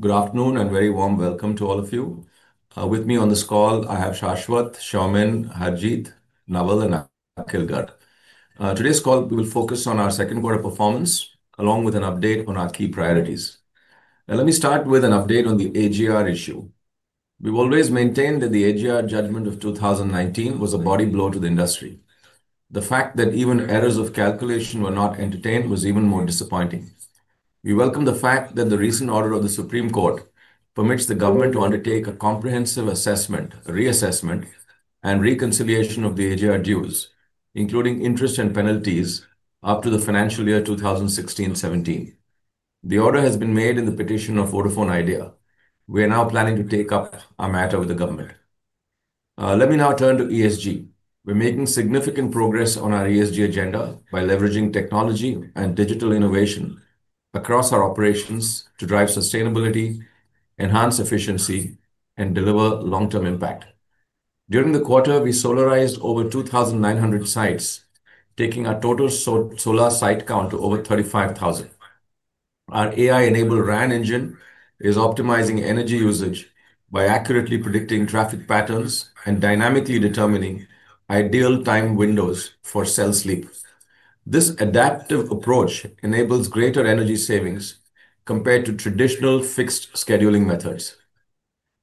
Good afternoon and a very warm welcome to all of you. With me on this call, I have Shashwat, Soumen, Harjeet, Naval, and Akhil Garg. Today's call will focus on our second quarter performance, along with an update on our key priorities. Let me start with an update on the AGR issue. We've always maintained that the AGR judgment of 2019 was a body blow to the industry. The fact that even errors of calculation were not entertained was even more disappointing. We welcome the fact that the recent order of the Supreme Court permits the government to undertake a comprehensive assessment, reassessment, and reconciliation of the AGR dues, including interest and penalties, up to the financial year 2016-2017. The order has been made in the petition of Vodafone Idea. We are now planning to take up our matter with the government. Let me now turn to ESG. We're making significant progress on our ESG agenda by leveraging technology and digital innovation across our operations to drive sustainability, enhance efficiency, and deliver long-term impact. During the quarter, we solarized over 2,900 sites, taking our total solar site count to over 35,000. Our AI-enabled RAN engine is optimizing energy usage by accurately predicting traffic patterns and dynamically determining ideal time windows for cell sleep. This adaptive approach enables greater energy savings compared to traditional fixed scheduling methods.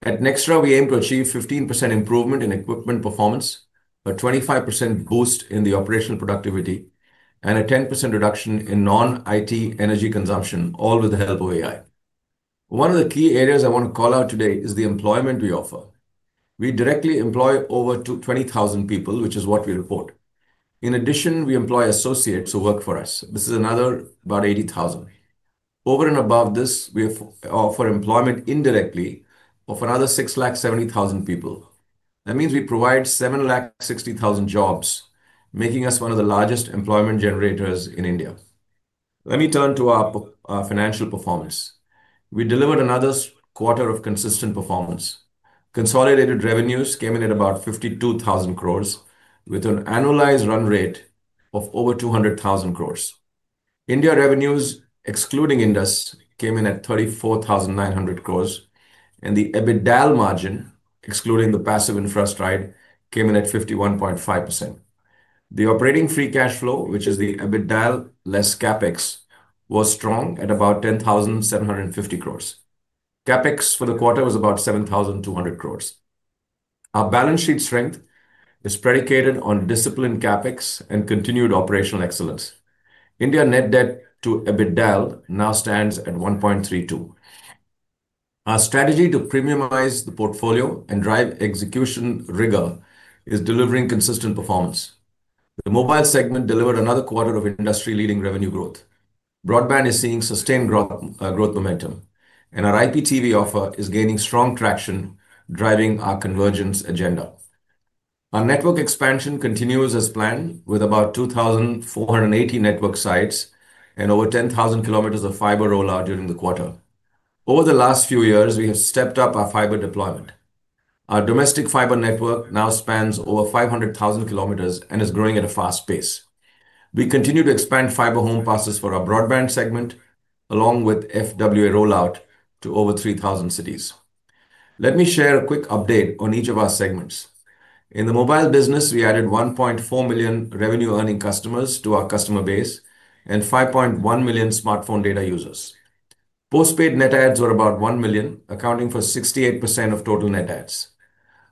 At Nextra, we aim to achieve 15% improvement in equipment performance, a 25% boost in the operational productivity, and a 10% reduction in non-IT energy consumption, all with the help of AI. One of the key areas I want to call out today is the employment we offer. We directly employ over 20,000 people, which is what we report. In addition, we employ associates who work for us. This is another about 80,000. Over and above this, we offer employment indirectly of another 670,000 people. That means we provide 760,000 jobs, making us one of the largest employment generators in India. Let me turn to our financial performance. We delivered another quarter of consistent performance. Consolidated revenues came in at about 52,000 crore, with an annualized run rate of over 200,000 crore. India revenues, excluding industry, came in at 34,900 crore, and the EBITDA margin, excluding the passive interest rate, came in at 51.5%. The operating free cash flow, which is the EBITDA less CapEx, was strong at about 10,750 crore. CapEx for the quarter was about 7,200 crore. Our balance sheet strength is predicated on disciplined CapEx and continued operational excellence. India net debt to EBITDA now stands at 1.32. Our strategy to premiumize the portfolio and drive execution rigor is delivering consistent performance. The mobile segment delivered another quarter of industry-leading revenue growth. Broadband is seeing sustained growth momentum, and our IPTV offer is gaining strong traction, driving our convergence agenda. Our network expansion continues as planned, with about 2,480 network sites and over 10,000 km of fiber rollout during the quarter. Over the last few years, we have stepped up our fiber deployment. Our domestic fiber network now spans over 500,000 kilometers and is growing at a fast pace. We continue to expand fiber home passes for our broadband segment, along with FWA rollout to over 3,000 cities. Let me share a quick update on each of our segments. In the mobile business, we added 1.4 million revenue-earning customers to our customer base and 5.1 million smartphone data users. Postpaid net adds were about 1 million, accounting for 68% of total net adds.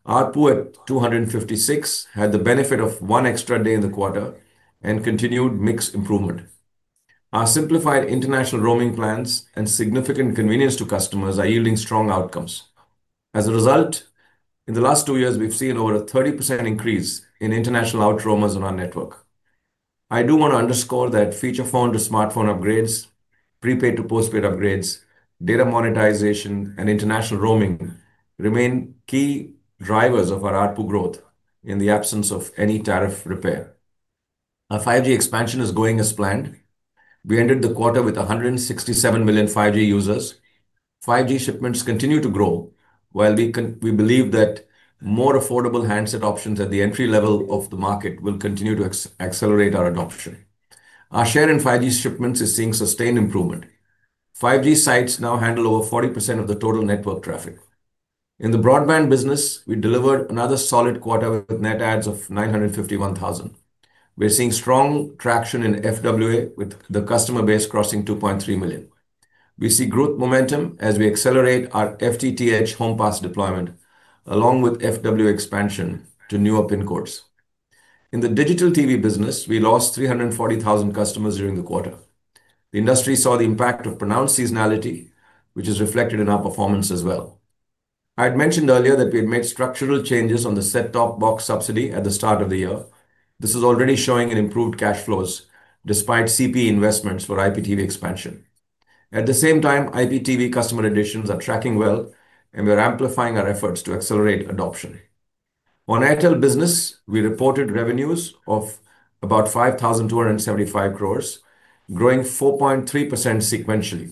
Our PUE 256 had the benefit of one extra day in the quarter and continued mixed improvement. Our simplified international roaming plans and significant convenience to customers are yielding strong outcomes. As a result, in the last two years, we've seen over a 30% increase in international outroamers on our network. I do want to underscore that feature-phone to smartphone upgrades, prepaid to postpaid upgrades, data monetization, and international roaming remain key drivers of our ARPU growth in the absence of any tariff repair. Our 5G expansion is going as planned. We ended the quarter with 167 million 5G users. 5G shipments continue to grow, while we believe that more affordable handset options at the entry level of the market will continue to accelerate our adoption. Our share in 5G shipments is seeing sustained improvement. 5G sites now handle over 40% of the total network traffic. In the broadband business, we delivered another solid quarter with net adds of 951,000. We're seeing strong traction in FWA, with the customer base crossing 2.3 million. We see growth momentum as we accelerate our FTTH home pass deployment, along with FWA expansion to newer pin cords. In the digital TV business, we lost 340,000 customers during the quarter. The industry saw the impact of pronounced seasonality, which is reflected in our performance as well. I had mentioned earlier that we had made structural changes on the set-top box subsidy at the start of the year. This is already showing improved cash flows despite CP investments for IPTV expansion. At the same time, IPTV customer additions are tracking well, and we are amplifying our efforts to accelerate adoption. On Airtel Business, we reported revenues of about 5,275 crore, growing 4.3% sequentially.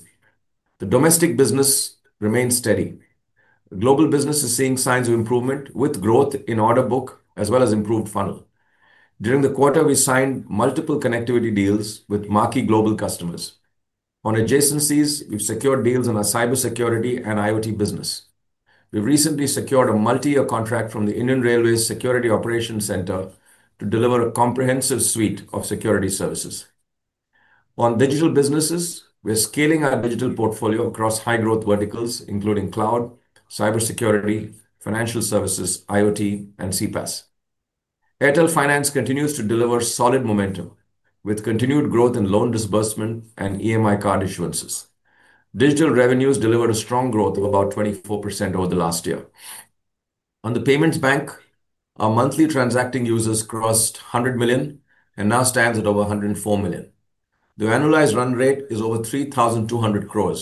The domestic business remains steady. Global business is seeing signs of improvement with growth in order book as well as improved funnel. During the quarter, we signed multiple connectivity deals with marquee global customers. On adjacencies, we've secured deals in our cybersecurity and IoT business. We've recently secured a multi-year contract from the Indian Railways Security Operations Center to deliver a comprehensive suite of security services. On digital businesses, we're scaling our digital portfolio across high-growth verticals, including cloud, cybersecurity, financial services, IoT, and CPaaS. Airtel Finance continues to deliver solid momentum with continued growth in loan disbursement and EMI card issuances. Digital revenues delivered a strong growth of about 24% over the last year. On the payments bank. Our monthly transacting users crossed 100 million and now stand at over 104 million. The annualized run rate is over 3,200 crore,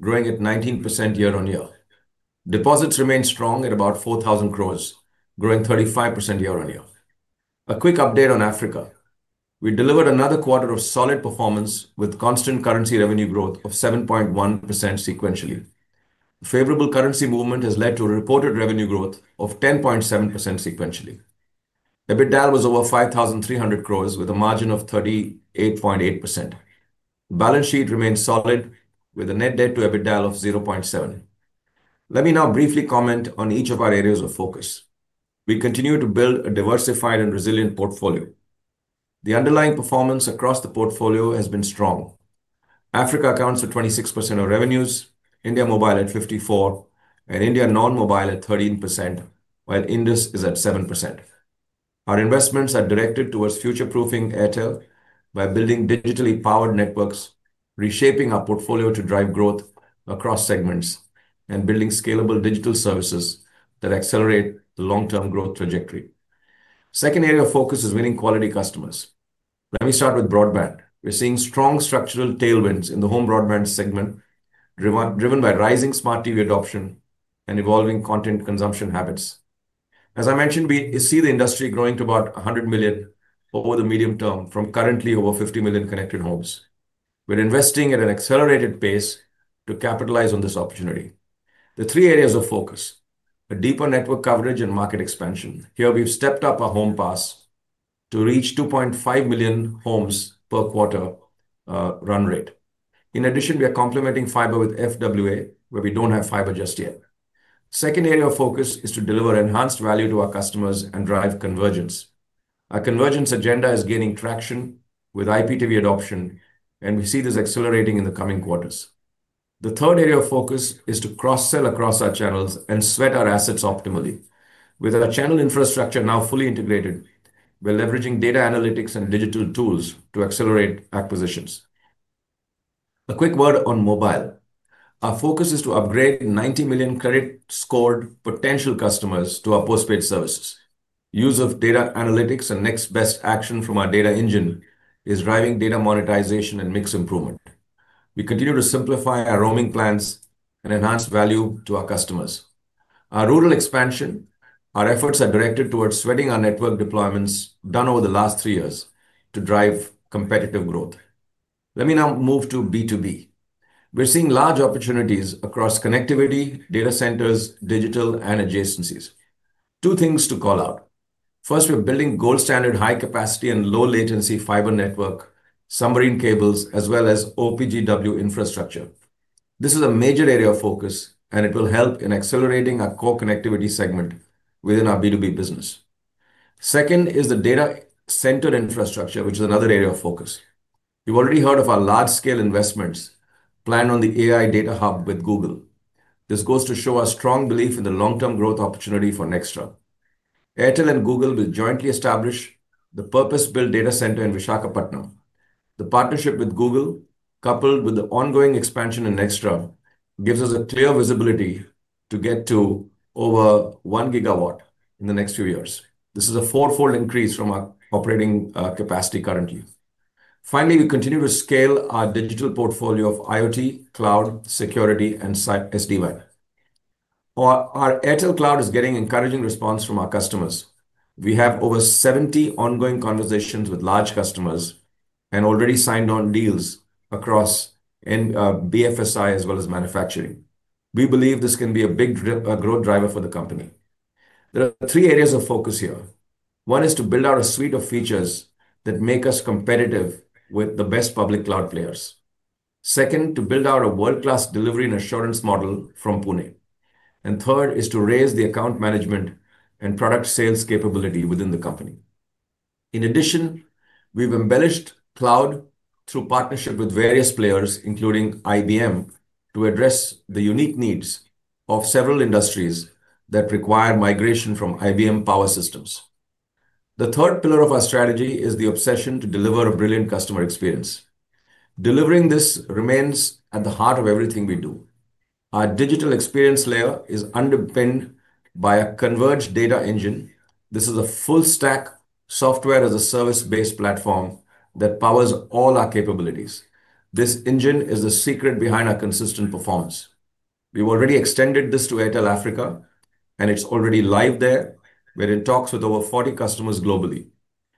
growing at 19% year-on-year. Deposits remain strong at about 4,000 crore, growing 35% year-on-year. A quick update on Africa. We delivered another quarter of solid performance with constant currency revenue growth of 7.1% sequentially. Favorable currency movement has led to a reported revenue growth of 10.7% sequentially. EBITDA was over 5,300 crore with a margin of 38.8%. Balance sheet remains solid with a net debt to EBITDA of 0.7. Let me now briefly comment on each of our areas of focus. We continue to build a diversified and resilient portfolio. The underlying performance across the portfolio has been strong. Africa accounts for 26% of revenues, India mobile at 54%, and India non-mobile at 13%, while Indus is at 7%. Our investments are directed towards future-proofing Airtel by building digitally powered networks, reshaping our portfolio to drive growth across segments, and building scalable digital services that accelerate the long-term growth trajectory. Second area of focus is winning quality customers. Let me start with broadband. We're seeing strong structural tailwinds in the home broadband segment, driven by rising smart TV adoption and evolving content consumption habits. As I mentioned, we see the industry growing to about 100 million over the medium term from currently over 50 million connected homes. We're investing at an accelerated pace to capitalize on this opportunity. The three areas of focus: a deeper network coverage and market expansion. Here, we've stepped up our home pass to reach 2.5 million homes per quarter run rate. In addition, we are complementing fiber with FWA, where we don't have fiber just yet. Second area of focus is to deliver enhanced value to our customers and drive convergence. Our convergence agenda is gaining traction with IPTV adoption, and we see this accelerating in the coming quarters. The third area of focus is to cross-sell across our channels and sweat our assets optimally. With our channel infrastructure now fully integrated, we're leveraging data analytics and digital tools to accelerate acquisitions. A quick word on mobile. Our focus is to upgrade 90 million credit-scored potential customers to our postpaid services. Use of data analytics and next best action from our data engine is driving data monetization and mix improvement. We continue to simplify our roaming plans and enhance value to our customers. Our rural expansion, our efforts are directed towards sweating our network deployments done over the last three years to drive competitive growth. Let me now move to B2B. We're seeing large opportunities across connectivity, data centers, digital, and adjacencies. Two things to call out. First, we're building gold-standard high-capacity and low-latency fiber network, submarine cables, as well as OPGW infrastructure. This is a major area of focus, and it will help in accelerating our core connectivity segment within our B2B business. Second is the data center infrastructure, which is another area of focus. You've already heard of our large-scale investments planned on the AI data hub with Google. This goes to show our strong belief in the long-term growth opportunity for Nextra. Airtel and Google will jointly establish the purpose-built data center in Vishakhapatnam. The partnership with Google, coupled with the ongoing expansion in Nextra, gives us a clear visibility to get to over 1 GW in the next few years. This is a four-fold increase from our operating capacity currently. Finally, we continue to scale our digital portfolio of IoT, cloud, security, and SD-WAN. Our Airtel Cloud is getting encouraging response from our customers. We have over 70 ongoing conversations with large customers and already signed on deals across BFSI as well as manufacturing. We believe this can be a big growth driver for the company. There are three areas of focus here. One is to build out a suite of features that make us competitive with the best public cloud players. Second, to build out a world-class delivery and assurance model from Pune. Third is to raise the account management and product sales capability within the company. In addition, we've embellished cloud through partnership with various players, including IBM, to address the unique needs of several industries that require migration from IBM power systems. The third pillar of our strategy is the obsession to deliver a brilliant customer experience. Delivering this remains at the heart of everything we do. Our digital experience layer is underpinned by a Converged Data Engine. This is a full-stack software-as-a-service-based platform that powers all our capabilities. This engine is the secret behind our consistent performance. We've already extended this to Airtel Africa, and it's already live there, where it talks with over 40 customers globally.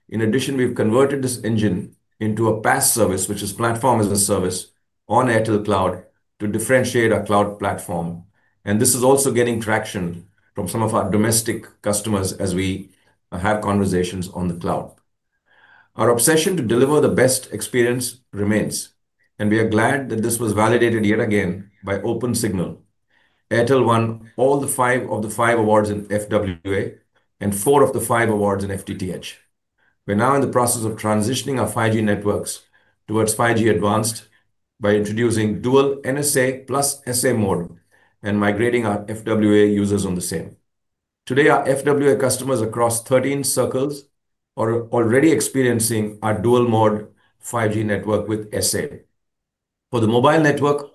In addition, we've converted this engine into a PaaS service, which is platform-as-a-service on Airtel Cloud to differentiate our cloud platform. This is also getting traction from some of our domestic customers as we have conversations on the cloud. Our obsession to deliver the best experience remains, and we are glad that this was validated yet again by OpenSignal. Airtel won all five of the five awards in FWA and four of the five awards in FTTH. We are now in the process of transitioning our 5G networks towards 5G Advanced by introducing dual NSA plus SA mode and migrating our FWA users on the same. Today, our FWA customers across 13 circles are already experiencing our dual-mode 5G network with SA. For the mobile network,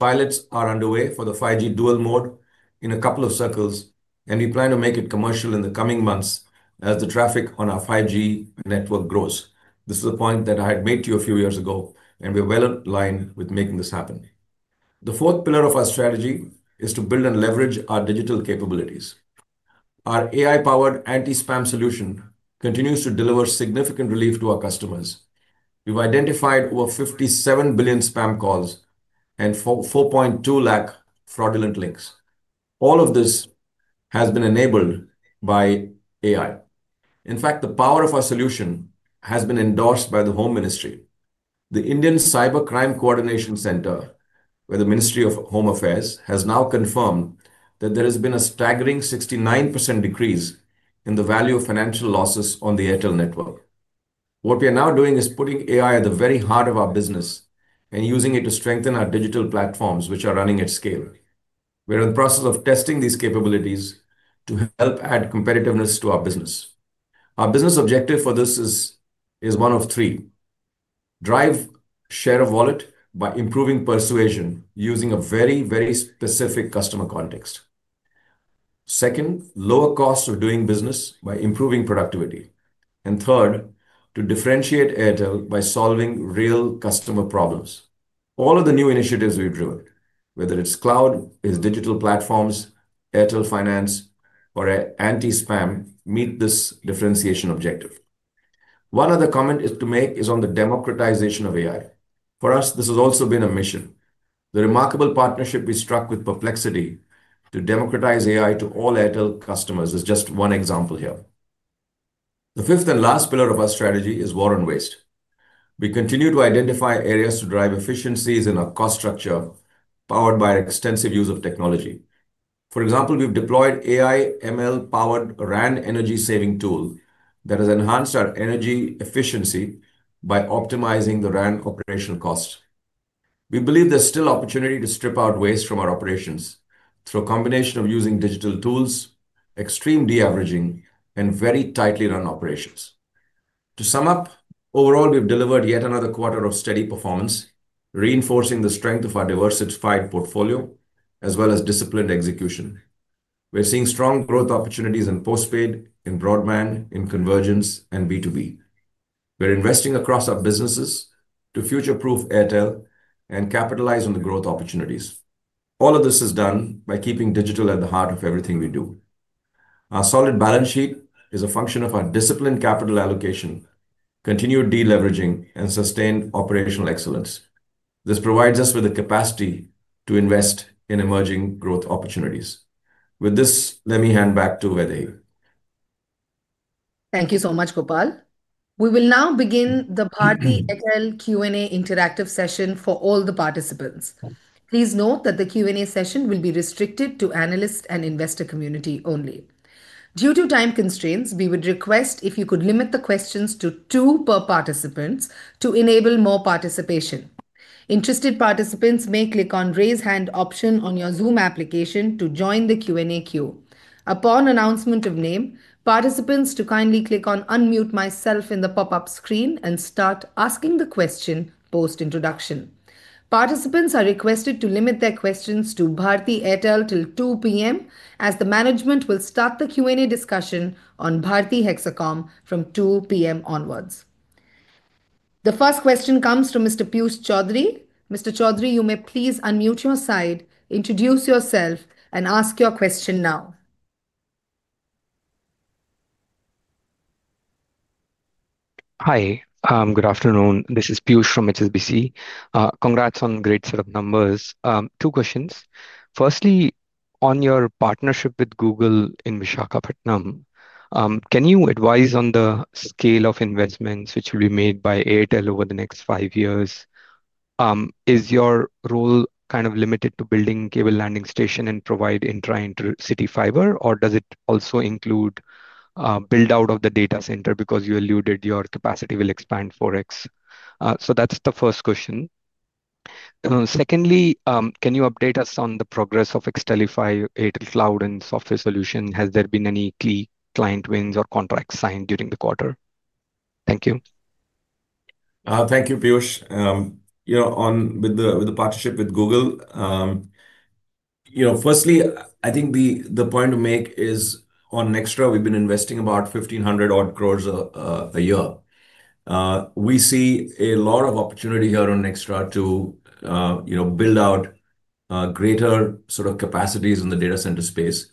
pilots are underway for the 5G dual mode in a couple of circles, and we plan to make it commercial in the coming months as the traffic on our 5G network grows. This is a point that I had made to you a few years ago, and we are well aligned with making this happen. The fourth pillar of our strategy is to build and leverage our digital capabilities. Our AI-powered anti-spam solution continues to deliver significant relief to our customers. We've identified over 57 billion spam calls and 4.2 lakh fraudulent links. All of this has been enabled by AI. In fact, the power of our solution has been endorsed by the Home Ministry. The Indian Cybercrime Coordination Center, where the Ministry of Home Affairs has now confirmed that there has been a staggering 69% decrease in the value of financial losses on the Airtel network. What we are now doing is putting AI at the very heart of our business and using it to strengthen our digital platforms, which are running at scale. We're in the process of testing these capabilities to help add competitiveness to our business. Our business objective for this is one of three. Drive share of wallet by improving persuasion using a very, very specific customer context. Second, lower cost of doing business by improving productivity. Third, to differentiate Airtel by solving real customer problems. All of the new initiatives we've driven, whether it's cloud, it's digital platforms, Airtel Finance, or anti-spam, meet this differentiation objective. One other comment to make is on the democratization of AI. For us, this has also been a mission. The remarkable partnership we struck with Perplexity to democratize AI to all Airtel customers is just one example here. The fifth and last pillar of our strategy is war on waste. We continue to identify areas to drive efficiencies in our cost structure powered by extensive use of technology. For example, we've deployed AI/ML-powered RAN energy-saving tool that has enhanced our energy efficiency by optimizing the RAN operational cost. We believe there's still opportunity to strip out waste from our operations through a combination of using digital tools, extreme de-averaging, and very tightly run operations. To sum up, overall, we've delivered yet another quarter of steady performance, reinforcing the strength of our diversified portfolio as well as disciplined execution. We're seeing strong growth opportunities in postpaid, in broadband, in convergence, and B2B. We're investing across our businesses to future-proof Airtel and capitalize on the growth opportunities. All of this is done by keeping digital at the heart of everything we do. Our solid balance sheet is a function of our disciplined capital allocation, continued de-leveraging, and sustained operational excellence. This provides us with the capacity to invest in emerging growth opportunities. With this, let me hand back to Vittal. Thank you so much, Gopal. We will now begin the Bharti Airtel Q&A interactive session for all the participants. Please note that the Q&A session will be restricted to the analyst and investor community only. Due to time constraints, we would request if you could limit the questions to two per participant to enable more participation. Interested participants may click on the raise hand option on your Zoom application to join the Q&A queue. Upon announcement of name, participants to kindly click on unmute myself in the pop-up screen and start asking the question post-introduction. Participants are requested to limit their questions to Bharti Airtel till 2:00 P.M., as the management will start the Q&A discussion on Bharti Hexacom from 2:00 P.M. onwards. The first question comes from Mr. Piyush Choudhury. Mr. Choudhury, you may please unmute your side, introduce yourself, and ask your question now. Hi. Good afternoon. This is Piyush from HSBC. Congrats on the great set of numbers. Two questions. Firstly, on your partnership with Google in Vishakhapatnam, can you advise on the scale of investments which will be made by Airtel over the next five years? Is your role kind of limited to building a cable landing station and providing intra-intercity fiber, or does it also include build-out of the data center because you alluded your capacity will expand four X? So that's the first question. Secondly, can you update us on the progress of Xtelify, Airtel Cloud, and software solution? Has there been any key client wins or contracts signed during the quarter? Thank you. Thank you, Piyush. With the partnership with Google, firstly, I think the point to make is on Nextra, we've been investing about 1,500 crore a year. We see a lot of opportunity here on Nextra to build out greater sort of capacities in the data center space.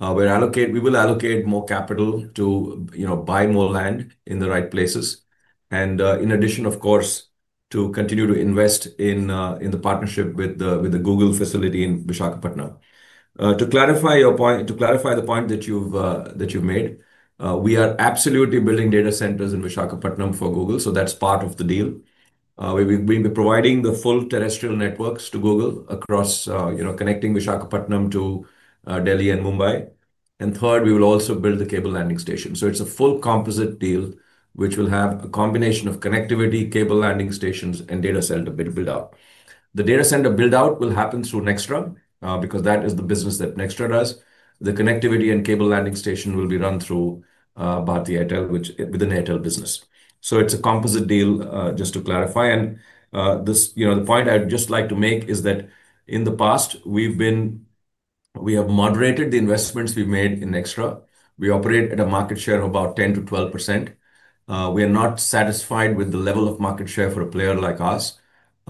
We will allocate more capital to buy more land in the right places, and in addition, of course, to continue to invest in the partnership with the Google facility in Vishakhapatnam. To clarify the point that you've made, we are absolutely building data centers in Vishakhapatnam for Google. So that's part of the deal. We'll be providing the full terrestrial networks to Google across connecting Vishakhapatnam to Delhi and Mumbai. Third, we will also build the cable landing station. It is a full composite deal, which will have a combination of connectivity, cable landing stations, and data center build-out. The data center build-out will happen through Nextra because that is the business that Nextra does. The connectivity and cable landing station will be run through Bharti Airtel within the Airtel Business. It is a composite deal, just to clarify. The point I'd just like to make is that in the past, we have moderated the investments we've made in Nextra. We operate at a market share of about 10%-12%. We are not satisfied with the level of market share for a player like us.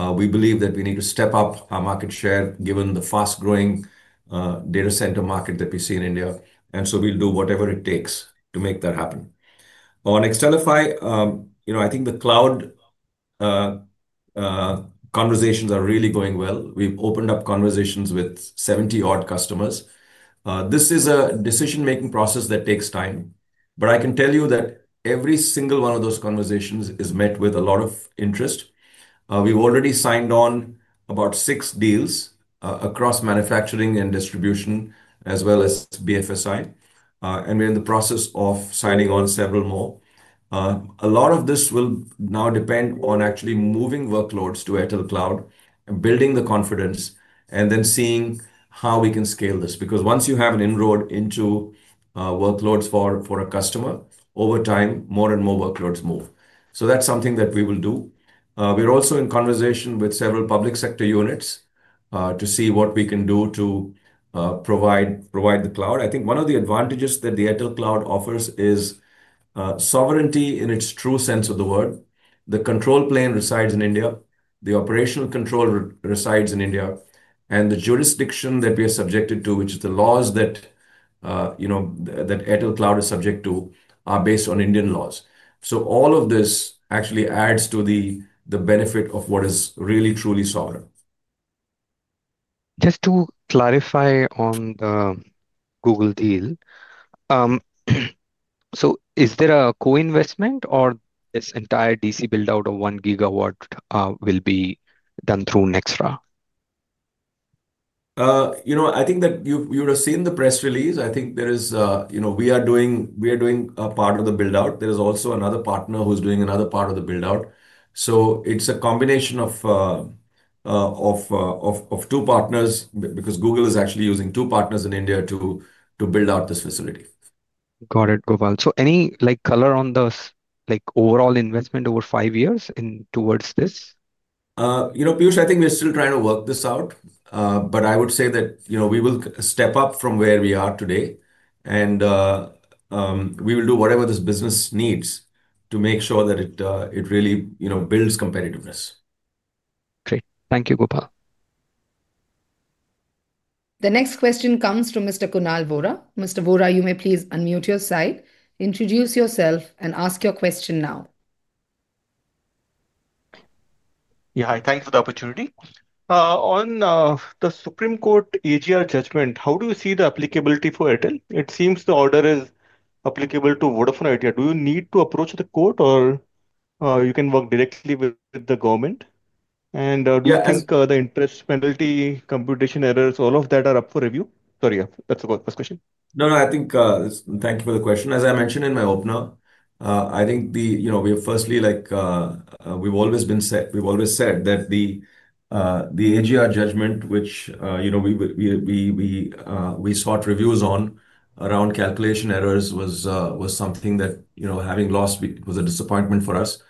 We believe that we need to step up our market share given the fast-growing data center market that we see in India, and we will do whatever it takes to make that happen. On Xtelify, I think the cloud conversations are really going well. We've opened up conversations with 70 odd customers. This is a decision-making process that takes time, but I can tell you that every single one of those conversations is met with a lot of interest. We've already signed on about six deals across manufacturing and distribution, as well as BFSI. We're in the process of signing on several more. A lot of this will now depend on actually moving workloads to Airtel Cloud and building the confidence and then seeing how we can scale this. Once you have an inroad into workloads for a customer, over time, more and more workloads move. That's something that we will do. We're also in conversation with several public sector units to see what we can do to provide the cloud. I think one of the advantages that the Airtel Cloud offers is sovereignty in its true sense of the word. The control plane resides in India. The operational control resides in India. The jurisdiction that we are subjected to, which is the laws that Airtel Cloud is subject to, are based on Indian laws. All of this actually adds to the benefit of what is really, truly sovereign. Just to clarify on the Google deal. Is there a co-investment or this entire DC build-out of 1 GW will be done through Nextra? I think that you would have seen the press release. I think we are doing a part of the build-out. There is also another partner who's doing another part of the build-out. It's a combination of two partners because Google is actually using two partners in India to build out this facility. Got it, Gopal. Any color on the overall investment over five years towards this? I think we're still trying to work this out. I would say that we will step up from where we are today. We will do whatever this business needs to make sure that it really builds competitiveness. Thank you, Gopal. The next question comes from Mr. Kunal Vora. Mr. Vora, you may please unmute your side, introduce yourself, and ask your question now. Yeah, thank you for the opportunity. On the Supreme Court AGR judgment, how do you see the applicability for Airtel? It seems the order is applicable to Vodafone Idea. Do you need to approach the court, or you can work directly with the government? Do you think the interest penalty computation errors, all of that are up for review? Sorry, that's the first question. No, I think thank you for the question. As I mentioned in my opener, I think we have firstly, we've always said that the AGR judgment, which we sought reviews on around calculation errors, was something that, having lost, was a disappointment for us.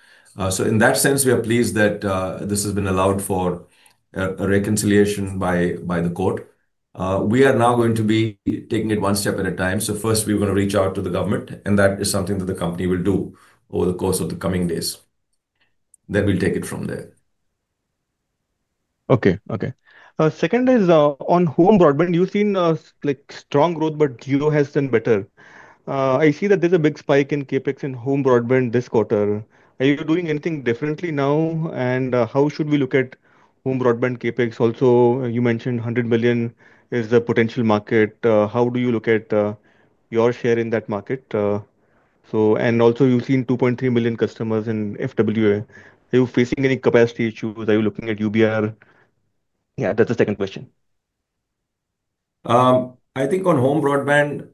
In that sense, we are pleased that this has been allowed for a reconciliation by the court. We are now going to be taking it one step at a time. First, we're going to reach out to the government. That is something that the company will do over the course of the coming days. Then we'll take it from there. Okay, okay. Second is on home broadband, you've seen strong growth, but you have seen better. I see that there's a big spike in CapEx in home broadband this quarter. Are you doing anything differently now? And how should we look at home broadband CapEx? Also, you mentioned 100 million is the potential market. How do you look at your share in that market? And also, you've seen 2.3 million customers in FWA. Are you facing any capacity issues? Are you looking at UBR? Yeah, that's the second question. I think on home broadband.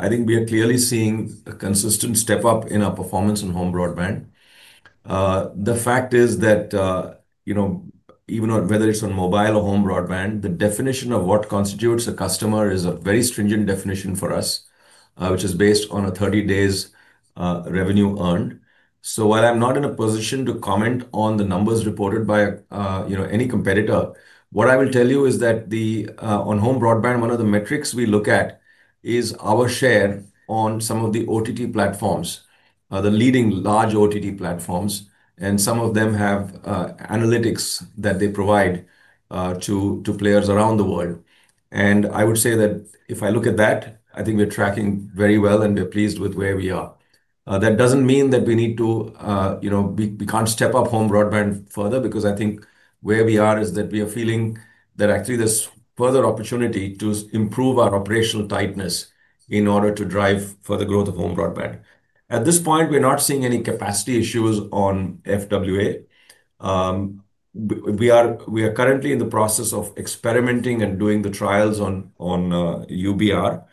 I think we are clearly seeing a consistent step up in our performance in home broadband. The fact is that even whether it's on mobile or home broadband, the definition of what constitutes a customer is a very stringent definition for us, which is based on a 30-day revenue earned. So while I'm not in a position to comment on the numbers reported by any competitor, what I will tell you is that on home broadband, one of the metrics we look at is our share on some of the OTT platforms, the leading large OTT platforms. And some of them have analytics that they provide to players around the world. And I would say that if I look at that, I think we're tracking very well and we're pleased with where we are. That doesn't mean that we need to, we can't step up home broadband further because I think where we are is that we are feeling that actually there's further opportunity to improve our operational tightness in order to drive further growth of home broadband. At this point, we're not seeing any capacity issues on FWA. We are currently in the process of experimenting and doing the trials on UBR.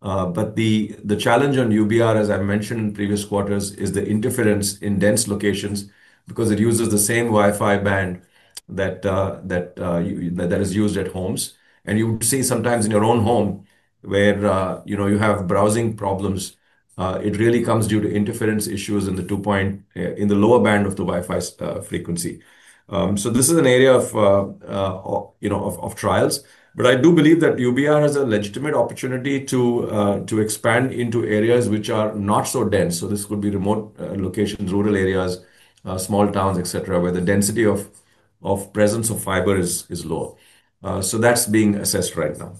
But the challenge on UBR, as I mentioned in previous quarters, is the interference in dense locations because it uses the same Wi-Fi band that is used at homes. And you would see sometimes in your own home where you have browsing problems. It really comes due to interference issues in the lower band of the Wi-Fi frequency. So this is an area of trials. But I do believe that UBR has a legitimate opportunity to expand into areas which are not so dense. This could be remote locations, rural areas, small towns, etc., where the density of presence of fiber is low. So that's being assessed right now.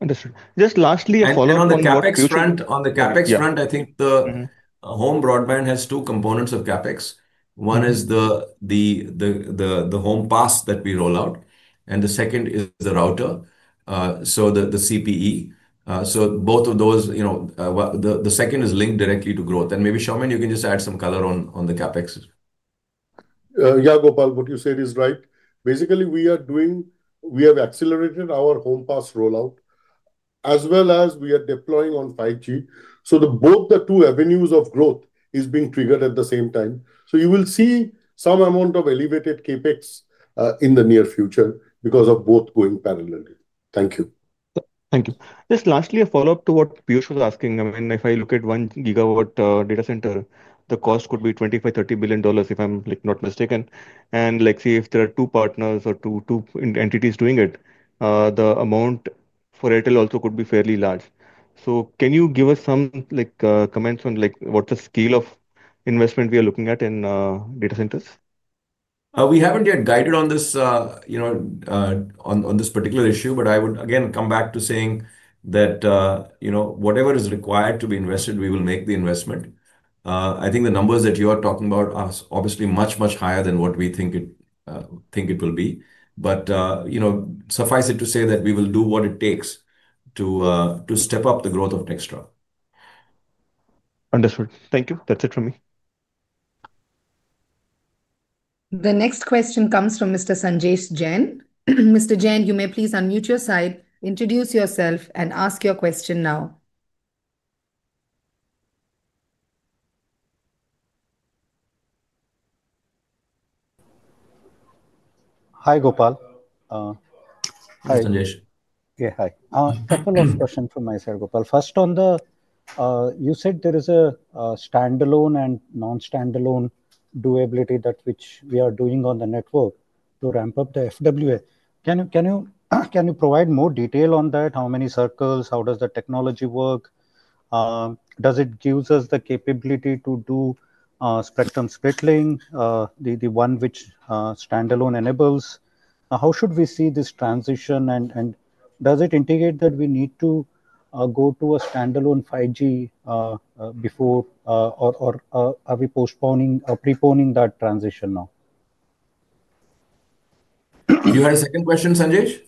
Understood. Just lastly, a follow-up question. On the CapEx front, I think the home broadband has two components of CapEx. One is the home pass that we roll out. And the second is the router, so the CPE. So both of those. The second is linked directly to growth. And maybe, Soumen, you can just add some color on the CapEx. Yeah, Gopal, what you said is right. Basically, we have accelerated our home pass rollout as well as we are deploying on 5G. Both the two avenues of growth are being triggered at the same time. You will see some amount of elevated CapEx in the near future because of both going parallel. Thank you. Thank you. Just lastly, a follow-up to what Piyush was asking. I mean, if I look at one GW data center, the cost could be $25 billion-$30 billion, if I'm not mistaken. If there are two partners or two entities doing it, the amount for Airtel also could be fairly large. Can you give us some comments on what's the scale of investment we are looking at in data centers? We haven't yet guided on this. On this particular issue, but I would, again, come back to saying that whatever is required to be invested, we will make the investment. I think the numbers that you are talking about are obviously much, much higher than what we think it will be. Suffice it to say that we will do what it takes to step up the growth of Nextra. Understood. Thank you. That's it from me. The next question comes from Mr. Sanjesh Jenn. Mr. Jenn, you may please unmute your side, introduce yourself, and ask your question now. Hi, Gopal. Hi, Sanjesh. Okay, hi. A couple of questions from my side, Gopal. First, you said there is a standalone and non-standalone doability that which we are doing on the network to ramp up the FWA. Can you provide more detail on that? How many circles? How does the technology work? Does it give us the capability to do spectrum splittening, the one which standalone enables? How should we see this transition? Does it indicate that we need to go to a standalone 5G before, or are we preponing that transition now? You had a second question, Sanjesh?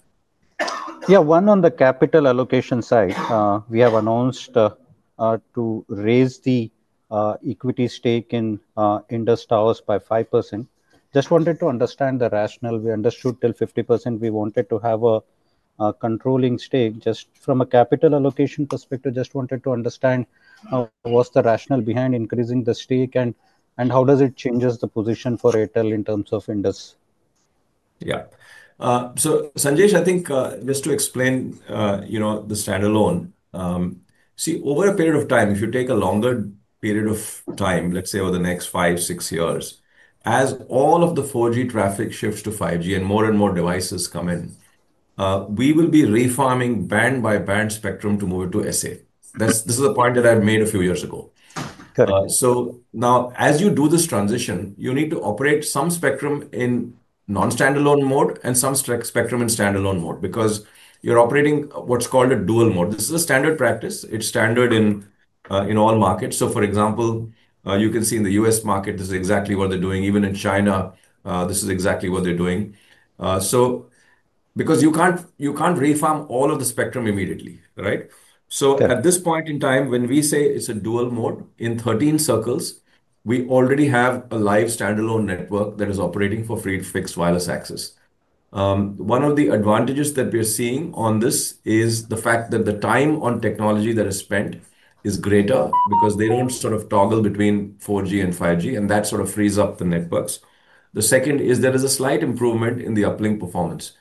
Yeah, one on the capital allocation side. We have announced to raise the equity stake in Indus Towers by 5%. Just wanted to understand the rationale. We understood till 50%. We wanted to have a controlling stake. Just from a capital allocation perspective, just wanted to understand what's the rationale behind increasing the stake and how does it change the position for Airtel in terms of Indus? Yeah. Sanjesh, I think just to explain, the standalone. See, over a period of time, if you take a longer period of time, let's say over the next five, six years, as all of the 4G traffic shifts to 5G and more and more devices come in, we will be refarming band-by-band spectrum to move it to SA. This is a point that I've made a few years ago. Now, as you do this transition, you need to operate some spectrum in non-standalone mode and some spectrum in standalone mode because you're operating what's called a dual mode. This is a standard practice. It's standard in all markets. For example, you can see in the U.S. market, this is exactly what they're doing. Even in China, this is exactly what they're doing. Because you can't refarm all of the spectrum immediately, right? At this point in time, when we say it's a dual mode in 13 circles, we already have a live standalone network that is operating for free fixed wireless access. One of the advantages that we're seeing on this is the fact that the time on technology that is spent is greater because they don't sort of toggle between 4G and 5G, and that sort of frees up the networks. The second is there is a slight improvement in the uplink performance.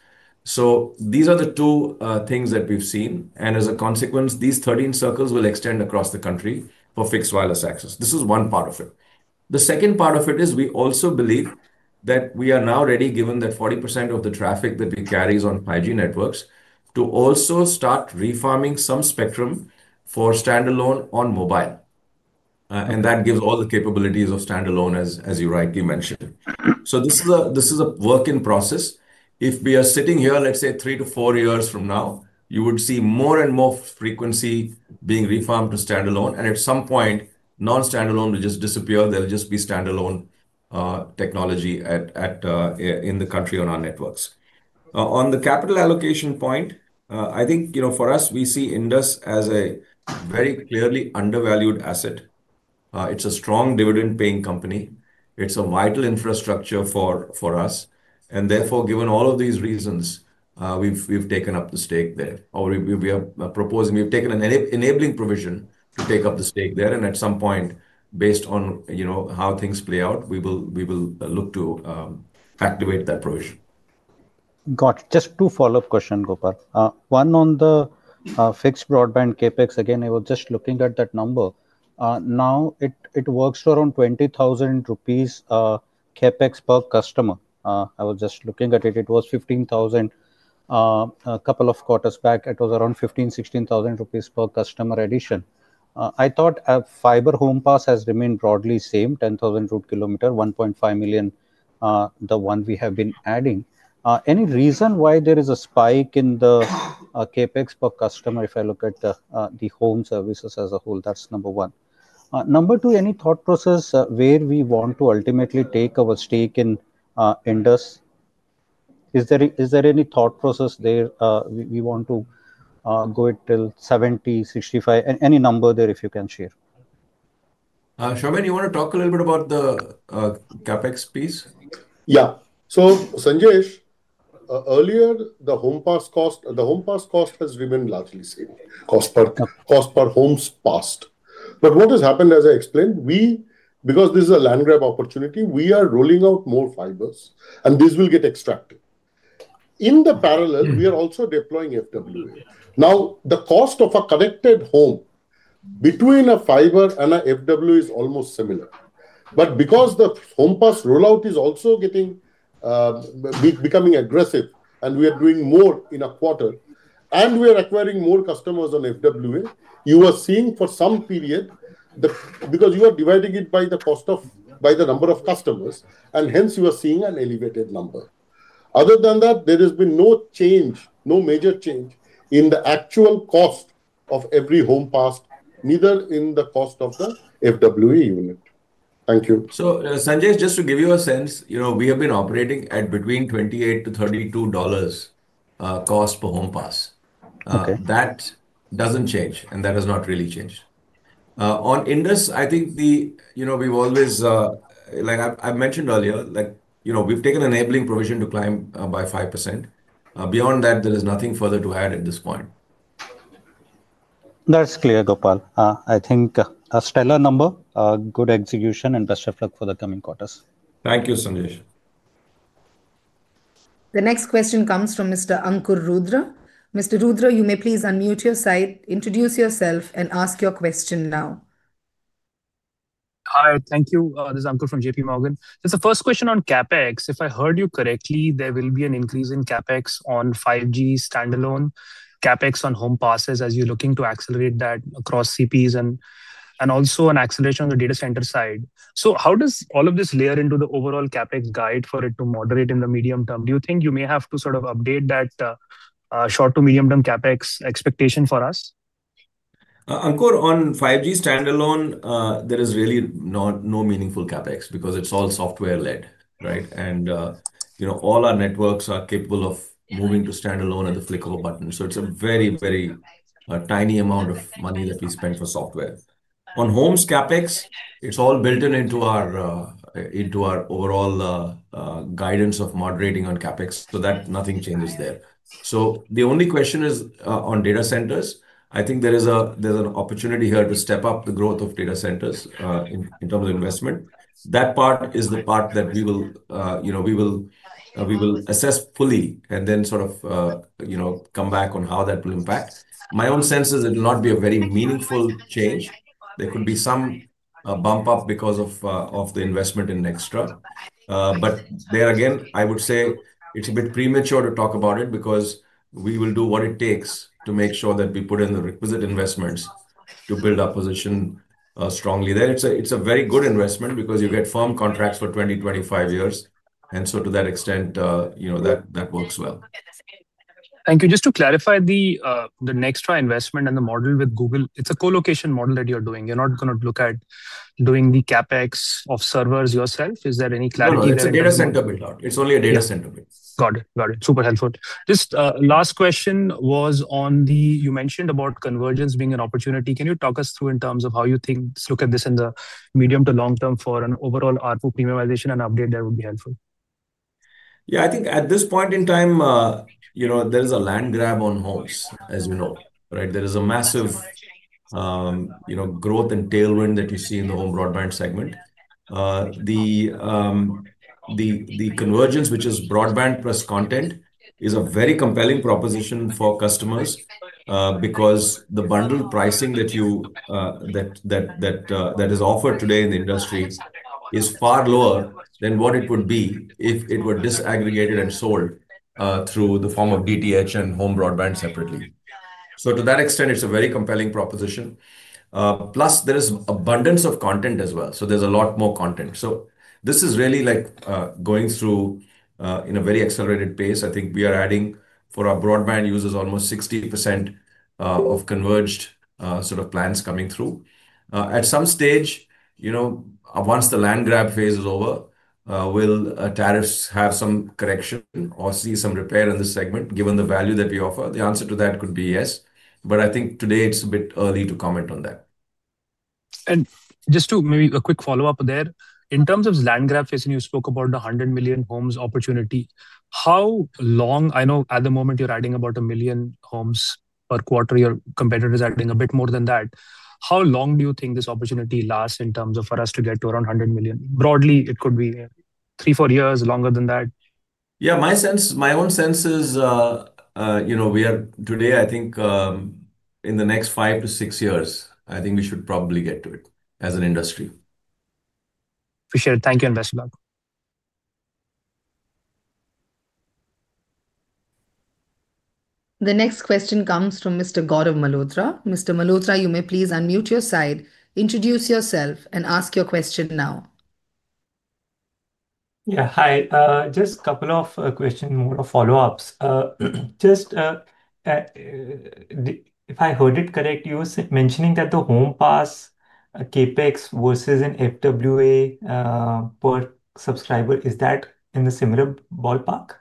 These are the two things that we've seen. As a consequence, these 13 circles will extend across the country for fixed wireless access. This is one part of it. The second part of it is we also believe that we are now ready, given that 40% of the traffic that we carry is on 5G networks, to also start refarming some spectrum for standalone on mobile. That gives all the capabilities of standalone, as you rightly mentioned. This is a work in process. If we are sitting here, let's say three to four years from now, you would see more and more frequency being refarmed to standalone. At some point, non-standalone will just disappear. There will just be standalone technology in the country on our networks. On the capital allocation point, I think for us, we see Indus as a very clearly undervalued asset. It's a strong dividend-paying company. It's a vital infrastructure for us. Therefore, given all of these reasons, we've taken up the stake there. We have proposed, we've taken an enabling provision to take up the stake there. At some point, based on how things play out, we will look to activate that provision. Got it. Just two follow-up questions, Gopal. One on the fixed broadband capex. Again, I was just looking at that number. Now, it works to around 20,000 rupees capex per customer. I was just looking at it. It was 15,000. A couple of quarters back, it was around 15,000-16,000 rupees per customer addition. I thought fiber home pass has remained broadly the same, 10,000 per kilometer, 1.5 million, the one we have been adding. Any reason why there is a spike in the capex per customer if I look at the home services as a whole? That's number one. Number two, any thought process where we want to ultimately take our stake in Indus? Is there any thought process there we want to go till 70, 65? Any number there if you can share? Shoman, you want to talk a little bit about the capex piece? Yeah. So Sanjesh, earlier, the home pass cost has remained largely the same cost per home passed. What has happened, as I explained, because this is a land grab opportunity, we are rolling out more fibers, and this will get extracted. In parallel, we are also deploying FWA. Now, the cost of a connected home between a fiber and an FWA is almost similar. Because the home pass rollout is also becoming aggressive and we are doing more in a quarter and we are acquiring more customers on FWA, you are seeing for some period, because you are dividing it by the number of customers, an elevated number. Other than that, there has been no change, no major change in the actual cost of every home passed, neither in the cost of the FWA unit. Thank you. Sanjesh, just to give you a sense, we have been operating at between $28-$32 cost per home pass. That does not change, and that has not really changed. On Indus, I think, like I have mentioned earlier, we have taken enabling provision to climb by 5%. Beyond that, there is nothing further to add at this point. That is clear, Gopal. I think a stellar number, good execution, and best of luck for the coming quarters. Thank you, Sanjesh. The next question comes from Mr. Ankur Rudra. Mr. Rudra, you may please unmute your side, introduce yourself, and ask your question now. Hi, thank you. This is Ankur from JPMorgan. The first question is on capex. If I heard you correctly, there will be an increase in capex on 5G standalone, capex on home passes as you are looking to accelerate that across CPs, and also an acceleration on the data center side. How does all of this layer into the overall capex guide for it to moderate in the medium term? Do you think you may have to sort of update that short to medium-term capex expectation for us? Ankur, on 5G standalone, there is really no meaningful capex because it is all software-led, right? All our networks are capable of moving to standalone at the flick of a button. It is a very, very tiny amount of money that we spend for software. On home capex, it is all built into our overall guidance of moderating on capex, so nothing changes there. The only question is on data centers. I think there is an opportunity here to step up the growth of data centers in terms of investment. That part is the part that we will assess fully and then sort of come back on how that will impact. My own sense is it will not be a very meaningful change. There could be some bump-up because of the investment in Nextra. There again, I would say it is a bit premature to talk about it because we will do what it takes to make sure that we put in the requisite investments to build our position strongly. Then it's a very good investment because you get firm contracts for 20, 25 years. To that extent, that works well. Thank you. Just to clarify the Nextra investment and the model with Google, it's a co-location model that you're doing. You're not going to look at doing the CapEx of servers yourself. Is there any clarity there? It's a data center build-out. It's only a data center build-out. Got it. Got it. Super helpful. Just last question was on the, you mentioned about convergence being an opportunity. Can you talk us through in terms of how you think, look at this in the medium to long term for an overall ARPU premiumization and update that would be helpful? Yeah, I think at this point in time, there is a land grab on homes, as you know, right? There is a massive growth and tailwind that you see in the home broadband segment. The convergence, which is broadband plus content, is a very compelling proposition for customers because the bundled pricing that is offered today in the industry is far lower than what it would be if it were disaggregated and sold through the form of DTH and home broadband separately. To that extent, it's a very compelling proposition. Plus, there is abundance of content as well. There's a lot more content. This is really like going through in a very accelerated pace. I think we are adding for our broadband users almost 60% of converged sort of plans coming through. At some stage, once the land grab phase is over, will tariffs have some correction or see some repair in this segment given the value that we offer? The answer to that could be yes. I think today it's a bit early to comment on that. Just to maybe a quick follow-up there, in terms of land grab phase, and you spoke about the 100 million homes opportunity, how long, I know at the moment you're adding about a million homes per quarter, your competitors are adding a bit more than that. How long do you think this opportunity lasts in terms of for us to get to around 100 million? Broadly, it could be three, four years, longer than that. Yeah, my own sense is we are today, I think, in the next five to six years, I think we should probably get to it as an industry. Appreciate it. Thank you and best of luck. The next question comes from Mr. Gaurav Malhotra. Mr. Malhotra, you may please unmute your side, introduce yourself, and ask your question now. Yeah, hi. Just a couple of questions, more of follow-ups. If I heard it correct, you were mentioning that the home pass CapEx versus an FWA per subscriber, is that in the similar ballpark?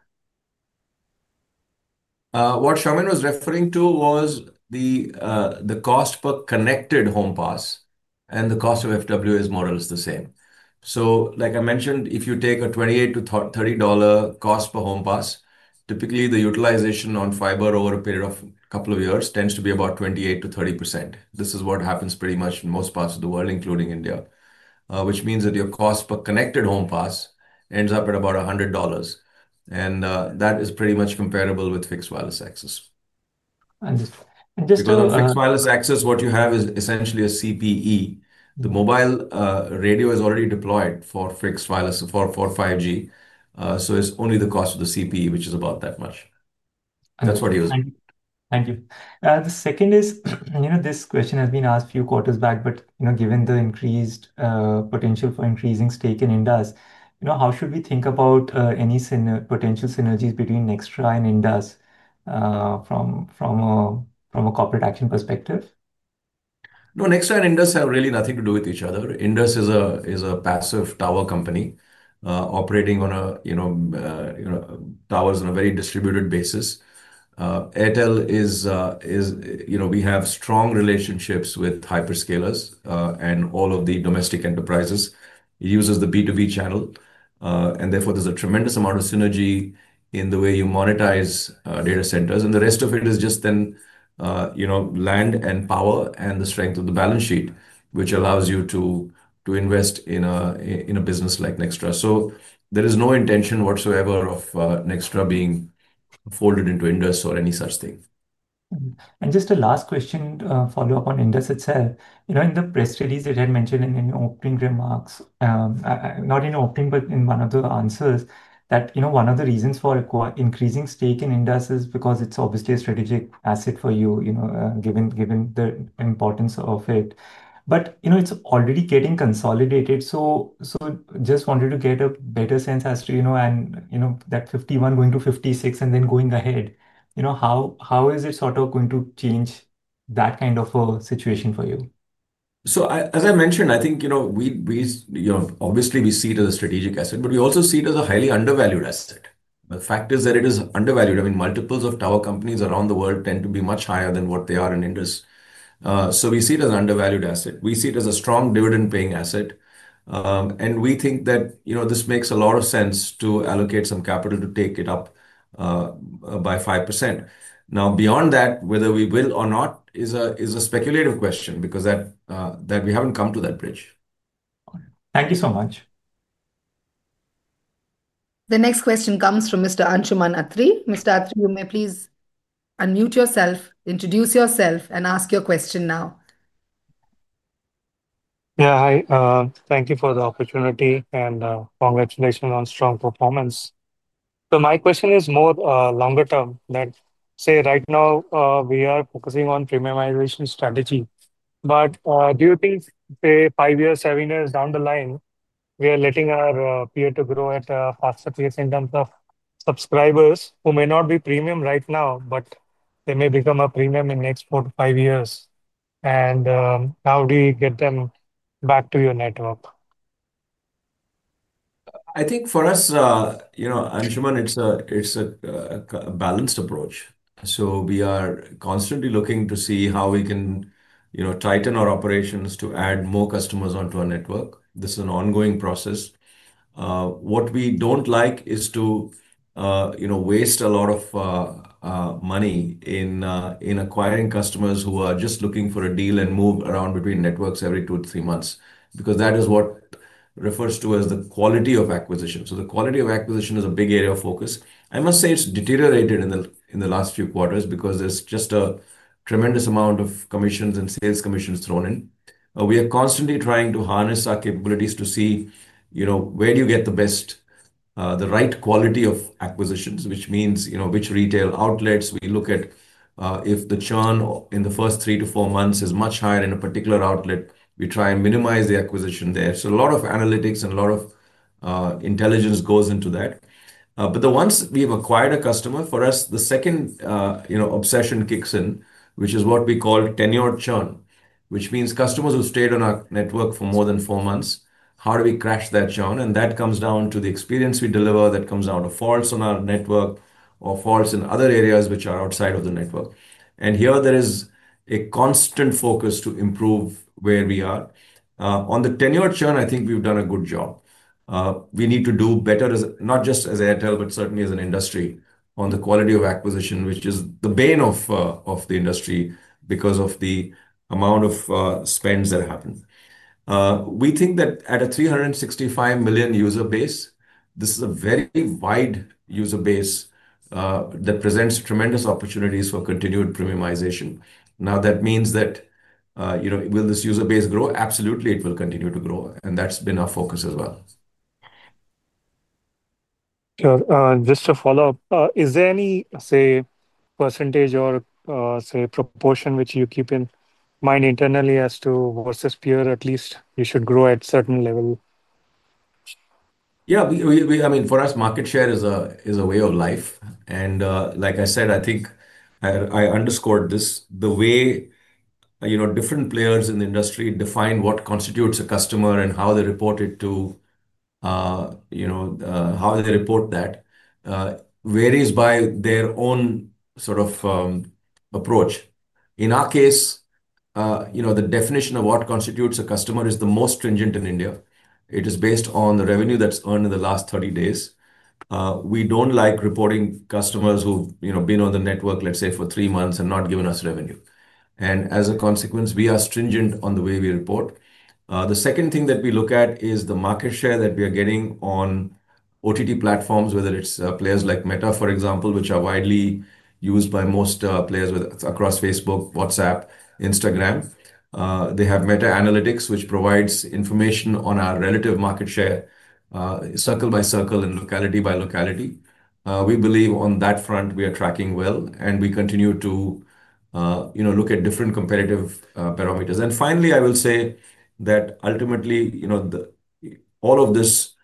What Shashwat was referring to was the cost per connected home pass and the cost of FWA is more or less the same. Like I mentioned, if you take a $28-$30 cost per home pass, typically the utilization on fiber over a period of a couple of years tends to be about 28%-30%. This is what happens pretty much in most parts of the world, including India, which means that your cost per connected home pass ends up at about $100. That is pretty much comparable with fixed wireless access. Just to, fixed wireless access, what you have is essentially a CPE. The mobile radio is already deployed for fixed wireless for 5G, so it is only the cost of the CPE, which is about that much. That is what he was, Thank you. The second is, this question has been asked a few quarters back, but given the increased potential for increasing stake in Indus, how should we think about any potential synergies between Nextra and Indus? From a corporate action perspective, no, Nextra and Indus have really nothing to do with each other. Indus is a passive tower company operating on towers on a very distributed basis. Airtel, we have strong relationships with hyperscalers and all of the domestic enterprises. It uses the B2B channel, and therefore, there is a tremendous amount of synergy in the way you monetize data centers. The rest of it is just then land and power and the strength of the balance sheet, which allows you to invest in a business like Nextra. There is no intention whatsoever of Nextra being folded into Indus or any such thing. Just a last question, follow-up on Indus itself. In the press release, it had mentioned in opening remarks, not in opening, but in one of the answers, that one of the reasons for increasing stake in Indus is because it is obviously a strategic asset for you, given the importance of it. It is already getting consolidated. Just wanted to get a better sense as to that 51 going to 56 and then going ahead, how is it sort of going to change that kind of a situation for you? As I mentioned, I think obviously we see it as a strategic asset, but we also see it as a highly undervalued asset. The fact is that it is undervalued. I mean, multiples of tower companies around the world tend to be much higher than what they are in Indus. We see it as an undervalued asset. We see it as a strong dividend-paying asset. We think that this makes a lot of sense to allocate some capital to take it up by 5%. Now, beyond that, whether we will or not is a speculative question because we have not come to that bridge. Thank you so much. The next question comes from Mr. Anshuman Athri. Mr. Athri, you may please unmute yourself, introduce yourself, and ask your question now. Yeah, hi. Thank you for the opportunity and congratulations on strong performance. My question is more longer term. Say right now we are focusing on premiumization strategy. Do you think, say, five years, seven years down the line, we are letting our peer grow at a faster pace in terms of subscribers who may not be premium right now, but they may become premium in the next four to five years? How do you get them back to your network? I think for us, Anshuman, it's a balanced approach. We are constantly looking to see how we can tighten our operations to add more customers onto our network. This is an ongoing process. What we do not like is to waste a lot of money in acquiring customers who are just looking for a deal and move around between networks every two to three months because that is what refers to as the quality of acquisition. The quality of acquisition is a big area of focus. I must say it has deteriorated in the last few quarters because there is just a tremendous amount of commissions and sales commissions thrown in. We are constantly trying to harness our capabilities to see where do you get the best, the right quality of acquisitions, which means which retail outlets we look at. If the churn in the first three to four months is much higher in a particular outlet, we try and minimize the acquisition there. A lot of analytics and a lot of intelligence goes into that. Once we have acquired a customer, for us, the second obsession kicks in, which is what we call tenured churn, which means customers who stayed on our network for more than four months, how do we crash that churn? That comes down to the experience we deliver that comes out of faults on our network or faults in other areas which are outside of the network. Here, there is a constant focus to improve where we are. On the tenured churn, I think we have done a good job. We need to do better, not just as Airtel, but certainly as an industry, on the quality of acquisition, which is the bane of the industry because of the amount of spends that happen. We think that at a 365 million user base, this is a very wide user base. That presents tremendous opportunities for continued premiumization. That means that will this user base grow? Absolutely, it will continue to grow. That has been our focus as well. Just to follow up, is there any, say, percentage or, say, proportion which you keep in mind internally as to versus peer, at least you should grow at certain level? Yeah, I mean, for us, market share is a way of life. Like I said, I think I underscored this, the way different players in the industry define what constitutes a customer and how they report it to, how they report that, varies by their own sort of approach. In our case. The definition of what constitutes a customer is the most stringent in India. It is based on the revenue that's earned in the last 30 days. We don't like reporting customers who've been on the network, let's say, for three months and not given us revenue. As a consequence, we are stringent on the way we report. The second thing that we look at is the market share that we are getting on OTT platforms, whether it's players like Meta, for example, which are widely used by most players across Facebook, WhatsApp, Instagram. They have Meta Analytics, which provides information on our relative market share, circle by circle and locality by locality. We believe on that front, we are tracking well, and we continue to look at different competitive parameters. Finally, I will say that ultimately all of this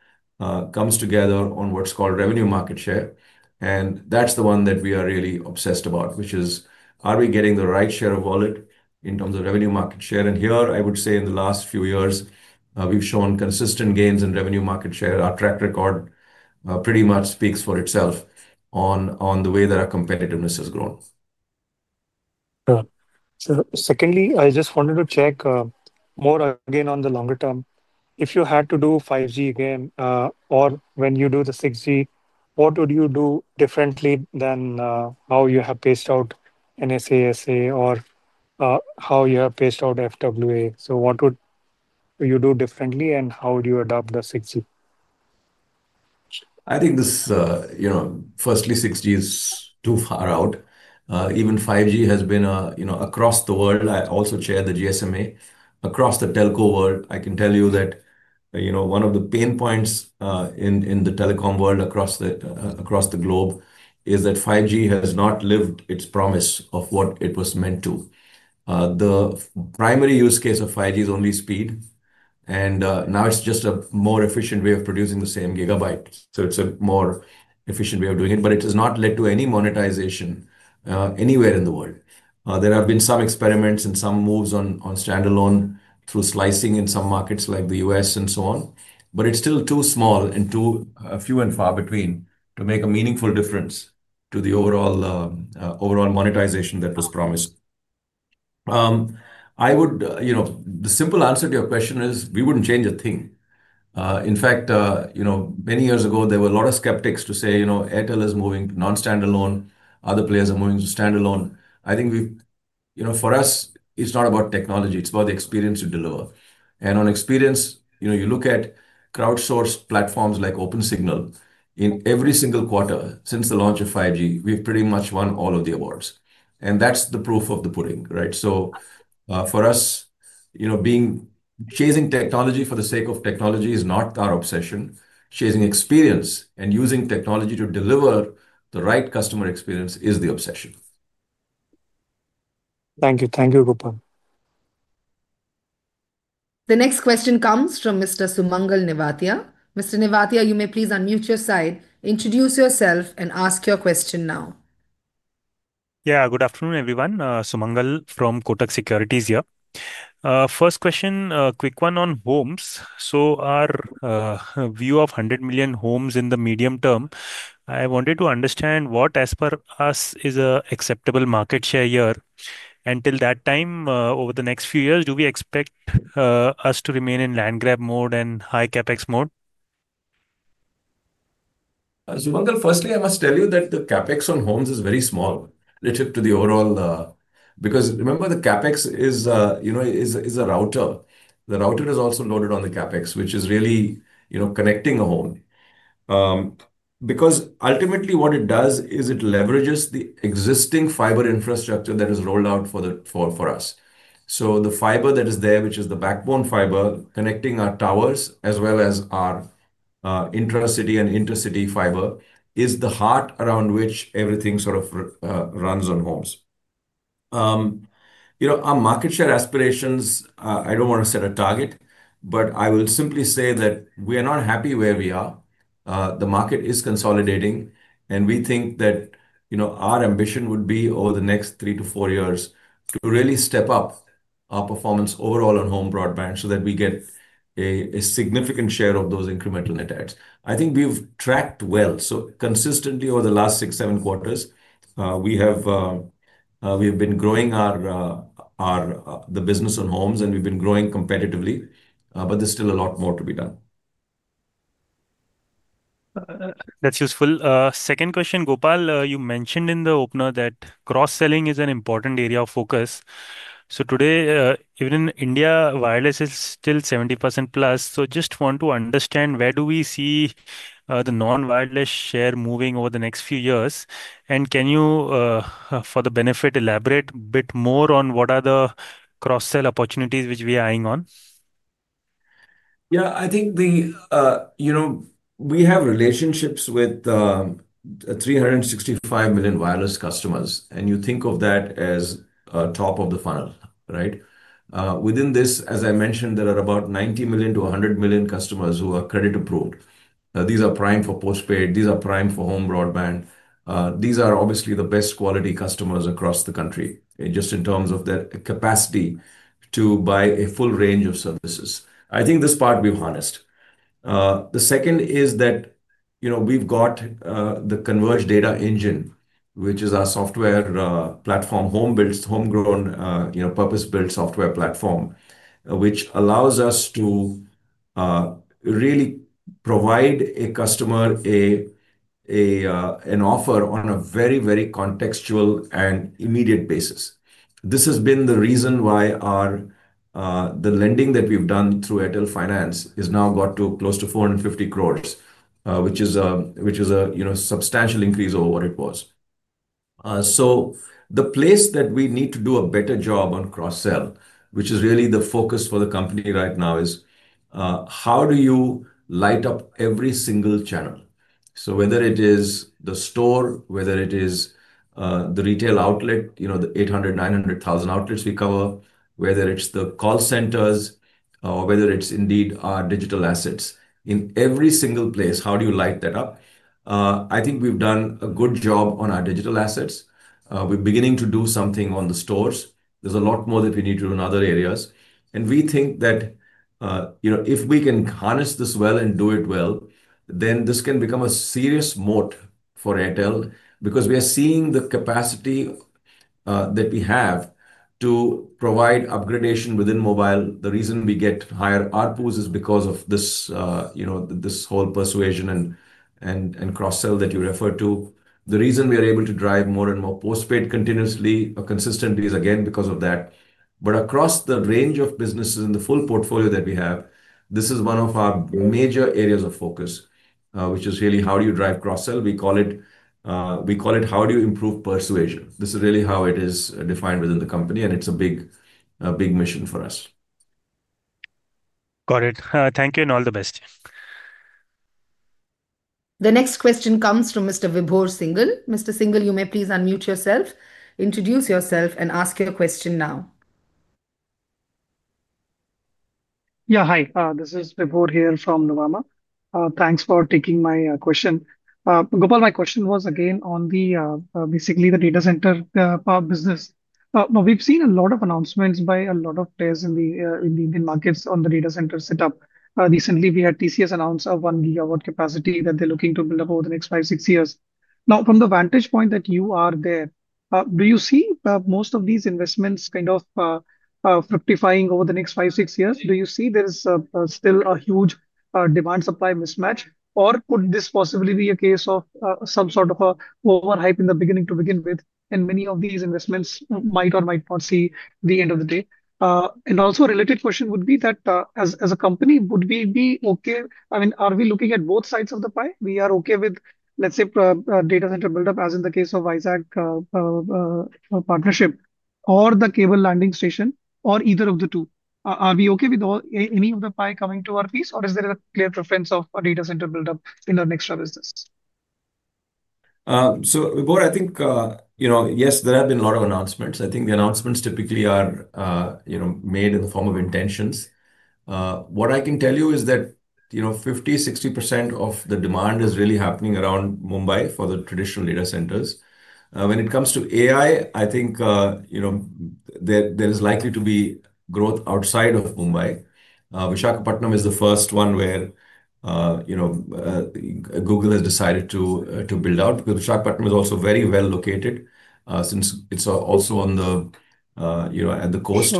comes together on what's called revenue market share. That's the one that we are really obsessed about, which is, are we getting the right share of wallet in terms of revenue market share? Here, I would say in the last few years, we've shown consistent gains in revenue market share. Our track record pretty much speaks for itself on the way that our competitiveness has grown. Secondly, I just wanted to check more again on the longer term. If you had to do 5G again or when you do the 6G, what would you do differently than how you have paced out NSA SA or how you have paced out FWA? What would you do differently and how would you adopt the 6G? I think firstly, 6G is too far out. Even 5G has been across the world. I also chair the GSMA. Across the telco world, I can tell you that one of the pain points in the telecom world across the globe is that 5G has not lived its promise of what it was meant to. The primary use case of 5G is only speed, and now it's just a more efficient way of producing the same gigabyte. It's a more efficient way of doing it, but it has not led to any monetization anywhere in the world. There have been some experiments and some moves on standalone through slicing in some markets like the US and so on, but it's still too small and too few and far between to make a meaningful difference to the overall monetization that was promised. The simple answer to your question is we wouldn't change a thing. In fact, many years ago, there were a lot of skeptics to say Airtel is moving to non-standalone. Other players are moving to standalone. I think for us, it's not about technology. It's about the experience you deliver. On experience, you look at crowdsourced platforms like OpenSignal. In every single quarter since the launch of 5G, we've pretty much won all of the awards. That's the proof of the pudding, right? For us. Chasing technology for the sake of technology is not our obsession. Chasing experience and using technology to deliver the right customer experience is the obsession. Thank you. Thank you, Gopal. The next question comes from Mr. Sumangal Nevatia. Mr. Nevatia, you may please unmute your side, introduce yourself, and ask your question now. Yeah, good afternoon, everyone. Sumangal from Kotak Securities here. First question, quick one on homes. Our view of 100 million homes in the medium term, I wanted to understand what, as per us, is an acceptable market share here. Until that time, over the next few years, do we expect us to remain in land grab mode and high CapEx mode? Sumangal, firstly, I must tell you that the CapEx on homes is very small relative to the overall. Because remember, the CapEx is a router. The router is also loaded on the CapEx, which is really connecting a home. Because ultimately, what it does is it leverages the existing fiber infrastructure that is rolled out for us. The fiber that is there, which is the backbone fiber connecting our towers as well as our intra-city and intercity fiber, is the heart around which everything sort of runs on homes. Our market share aspirations, I do not want to set a target, but I will simply say that we are not happy where we are. The market is consolidating. We think that our ambition would be over the next three to four years to really step up our performance overall on home broadband so that we get a significant share of those incremental net adds. I think we have tracked well. Consistently over the last six, seven quarters, we have been growing the business on homes, and we have been growing competitively. There is still a lot more to be done. That is useful. Second question, Gopal, you mentioned in the opener that cross-selling is an important area of focus. Today, even in India, wireless is still 70% plus. I just want to understand, where do we see the non-wireless share moving over the next few years? Can you, for the benefit, elaborate a bit more on what are the cross-sell opportunities which we are eyeing on? Yeah, I think we have relationships with 365 million wireless customers. You think of that as top of the funnel, right? Within this, as I mentioned, there are about 90 million-100 million customers who are credit approved. These are prime for postpaid. These are prime for home broadband. These are obviously the best quality customers across the country just in terms of their capacity to buy a full range of services. I think this part we have harnessed. The second is that we have got the Converged Data Engine, which is our software platform, homebuilt, homegrown, purpose-built software platform, which allows us to really provide a customer an offer on a very, very contextual and immediate basis. This has been the reason why. The lending that we've done through Airtel Finance has now got close to 450 crore, which is a substantial increase over what it was. The place that we need to do a better job on cross-sell, which is really the focus for the company right now, is how do you light up every single channel? Whether it is the store, whether it is the retail outlet, the 800,000-900,000 outlets we cover, whether it's the call centers or whether it's indeed our digital assets. In every single place, how do you light that up? I think we've done a good job on our digital assets. We're beginning to do something on the stores. There's a lot more that we need to do in other areas. We think that if we can harness this well and do it well, then this can become a serious moat for Airtel because we are seeing the capacity that we have to provide upgradation within mobile. The reason we get higher outputs is because of this whole persuasion and cross-sell that you refer to. The reason we are able to drive more and more postpaid continuously or consistently is again because of that. Across the range of businesses and the full portfolio that we have, this is one of our major areas of focus, which is really how do you drive cross-sell? We call it how do you improve persuasion? This is really how it is defined within the company, and it's a big mission for us. Got it. Thank you and all the best. The next question comes from Mr. Vibhor Singhal. Mr. Singhal, you may please unmute yourself, introduce yourself, and ask your question now. Yeah, hi. This is Vibhor here from Nuvama. Thanks for taking my question. Gopal, my question was again on basically the data center business. We've seen a lot of announcements by a lot of players in the Indian markets on the data center setup. Recently, we had TCS announce a 1 GW capacity that they're looking to build up over the next five-six years. Now, from the vantage point that you are there, do you see most of these investments kind of fructifying over the next five-six years? Do you see there's still a huge demand-supply mismatch? Could this possibly be a case of some sort of an overhype in the beginning to begin with? Many of these investments might or might not see the end of the day. Also, a related question would be that as a company, would we be okay? I mean, are we looking at both sides of the pie? We are okay with, let's say, data center buildup, as in the case of ISAC partnership, or the cable landing station, or either of the two. Are we okay with any of the pie coming to our piece, or is there a clear preference of a data center buildup in our next business? Vibhor, I think. Yes, there have been a lot of announcements. I think the announcements typically are made in the form of intentions. What I can tell you is that 50%-60% of the demand is really happening around Mumbai for the traditional data centers. When it comes to AI, I think there is likely to be growth outside of Mumbai. Vishakhapatnam is the first one where Google has decided to build out because Vishakhapatnam is also very well located, since it's also at the coast.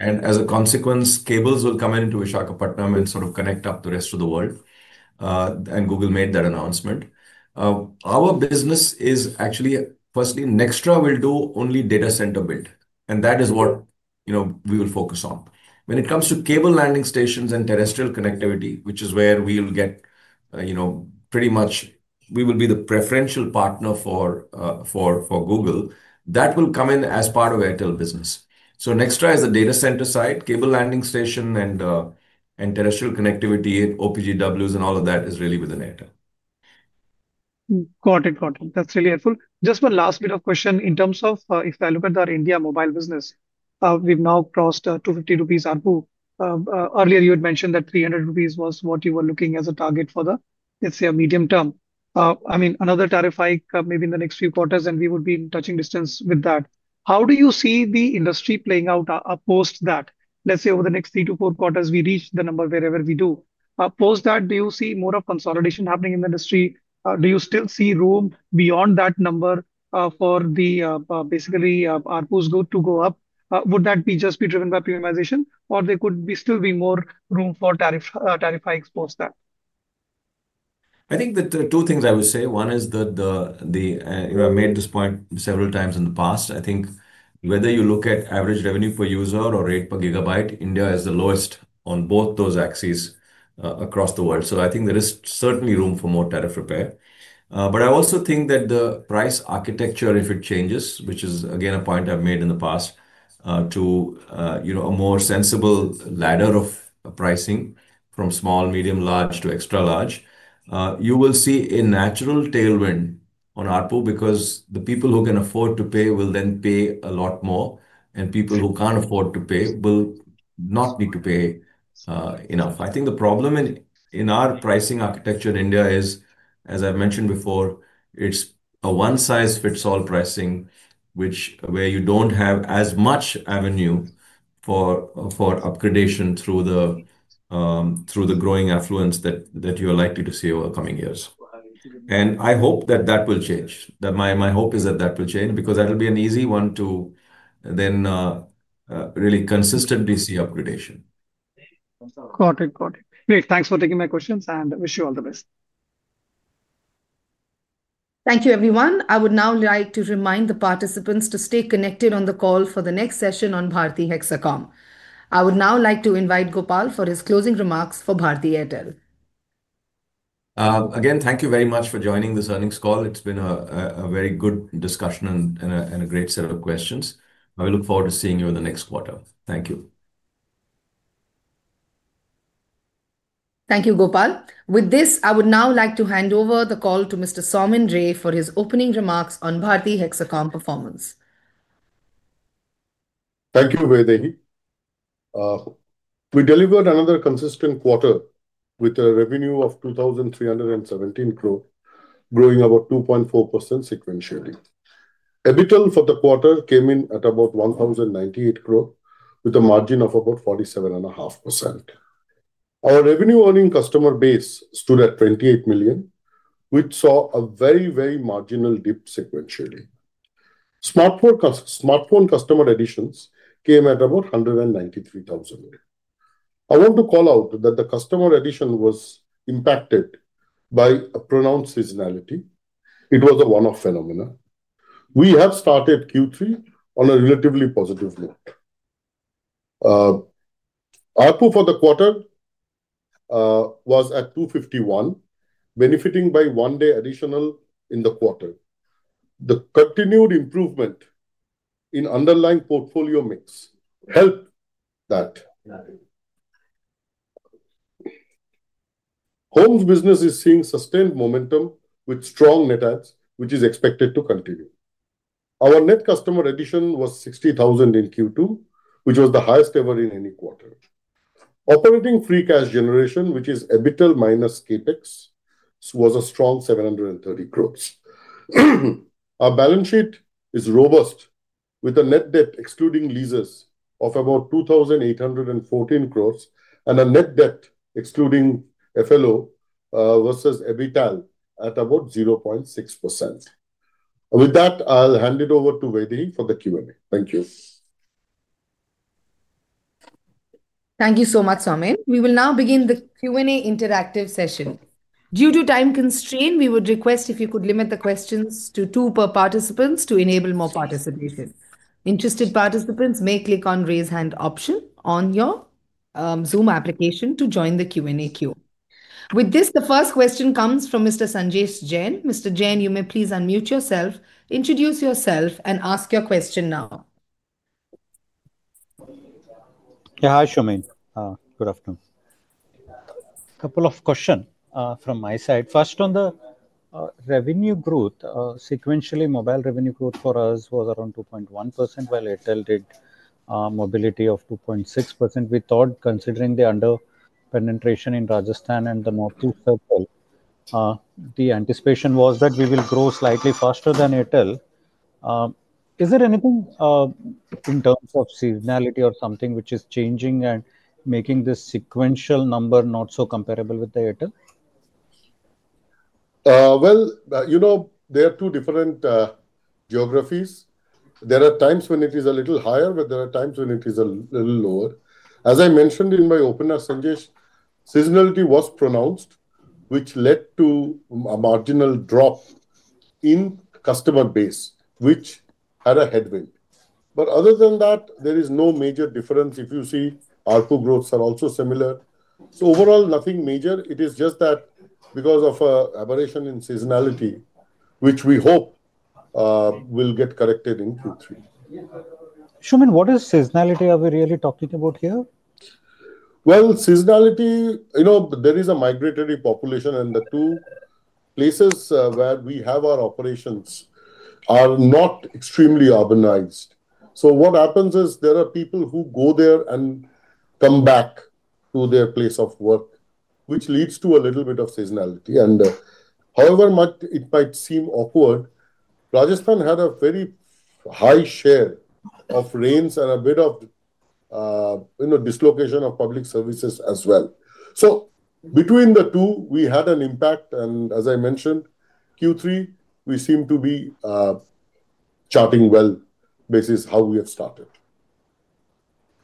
As a consequence, cables will come into Vishakhapatnam and sort of connect up the rest of the world. Google made that announcement. Our business is actually, firstly, Nextra will do only data center build, and that is what we will focus on. When it comes to cable landing stations and terrestrial connectivity, which is where we will get, pretty much, we will be the preferential partner for Google, that will come in as part of Airtel Business. Nextra is the data center side; cable landing station and terrestrial connectivity, OPGWs, and all of that is really within Airtel. Got it. Got it. That's really helpful. Just one last bit of question. In terms of if I look at our India mobile business, we've now crossed an 250 rupees ARPU. Earlier, you had mentioned that 300 rupees was what you were looking as a target for the, let's say, a medium term. I mean, another tariff hike maybe in the next few quarters, and we would be in touching distance with that. How do you see the industry playing out post that? Let's say over the next three to four quarters, we reach the number wherever we do. Post that, do you see more of consolidation happening in the industry? Do you still see room beyond that number for the basically ARPUs to go up? Would that just be driven by premiumization, or there could still be more room for tariff hikes post that? I think the two things I would say. One is that you have made this point several times in the past. I think whether you look at average revenue per user or rate per gigabyte, India is the lowest on both those axes across the world. I think there is certainly room for more tariff repair. I also think that the price architecture, if it changes, which is again a point I've made in the past, to a more sensible ladder of pricing from small, medium, large to extra large, you will see a natural tailwind on ARPU because the people who can afford to pay will then pay a lot more, and people who can't afford to pay will not need to pay enough. I think the problem in our pricing architecture in India is, as I've mentioned before, it's a one-size-fits-all pricing where you don't have as much avenue for upgradation through the. Growing affluence that you are likely to see over the coming years. I hope that that will change. My hope is that that will change because that will be an easy one to. Really consistently see upgradation. Got it. Got it. Great. Thanks for taking my questions, and wish you all the best. Thank you, everyone. I would now like to remind the participants to stay connected on the call for the next session on Bharti Hexacom. I would now like to invite Gopal for his closing remarks for Bharti Airtel. Again, thank you very much for joining this earnings call. It's been a very good discussion and a great set of questions. I look forward to seeing you in the next quarter. Thank you. Thank you, Gopal. With this, I would now like to hand over the call to Mr. Soumen Ray for his opening remarks on Bharti Hexacom performance. Thank you, Vaidehi. We delivered another consistent quarter with a revenue of 2,317 crore, growing about 2.4% sequentially. EBITDA for the quarter came in at about 1,098 crore, with a margin of about 47.5%. Our revenue-earning customer base stood at 28 million, which saw a very, very marginal dip sequentially. Smartphone customer additions came at about 193,000. I want to call out that the customer addition was impacted by a pronounced seasonality. It was a one-off phenomenon. We have started Q3 on a relatively positive note. Output for the quarter was at 251, benefiting by one day additional in the quarter. The continued improvement in underlying portfolio mix helped that. Homes business is seeing sustained momentum with strong net adds, which is expected to continue. Our net customer addition was 60,000 in Q2, which was the highest ever in any quarter. Operating free cash generation, which is EBITDA minus CapEx, was a strong 730 crore. Our balance sheet is robust, with a net debt excluding leases of about 2,814 crore and a net debt excluding FLO versus EBITDA at about 0.6%. With that, I'll hand it over to Vaidehi for the Q&A. Thank you. Thank you so much, Soumen. We will now begin the Q&A interactive session. Due to time constraint, we would request if you could limit the questions to two per participants to enable more participation. Interested participants may click on the raise hand option on your Zoom application to join the Q&A queue. With this, the first question comes from Mr. Sanjesh Jain. Mr. Jain, you may please unmute yourself, introduce yourself, and ask your question now. Yeah, hi, Soumen. Good afternoon. Couple of questions from my side. First, on the revenue growth, sequentially, mobile revenue growth for us was around 2.1%, while Airtel did mobility of 2.6%. We thought, considering the under penetration in Rajasthan and the North East Circle, the anticipation was that we will grow slightly faster than Airtel. Is there anything in terms of seasonality or something which is changing and making this sequential number not so comparable with Airtel? There are two different geographies. There are times when it is a little higher, but there are times when it is a little lower. As I mentioned in my opener, Sanjesh, seasonality was pronounced, which led to a marginal drop in customer base, which had a headwind. Other than that, there is no major difference. If you see, output growths are also similar. Overall, nothing major. It is just that because of an aberration in seasonality, which we hope will get corrected in Q3. Somin, what is seasonality are we really talking about here? Seasonality, there is a migratory population, and the two places where we have our operations are not extremely urbanized. What happens is there are people who go there and come back to their place of work, which leads to a little bit of seasonality. However much it might seem awkward, Rajasthan had a very high share of rains and a bit of dislocation of public services as well. Between the two, we had an impact. As I mentioned, Q3, we seem to be charting well based on how we have started.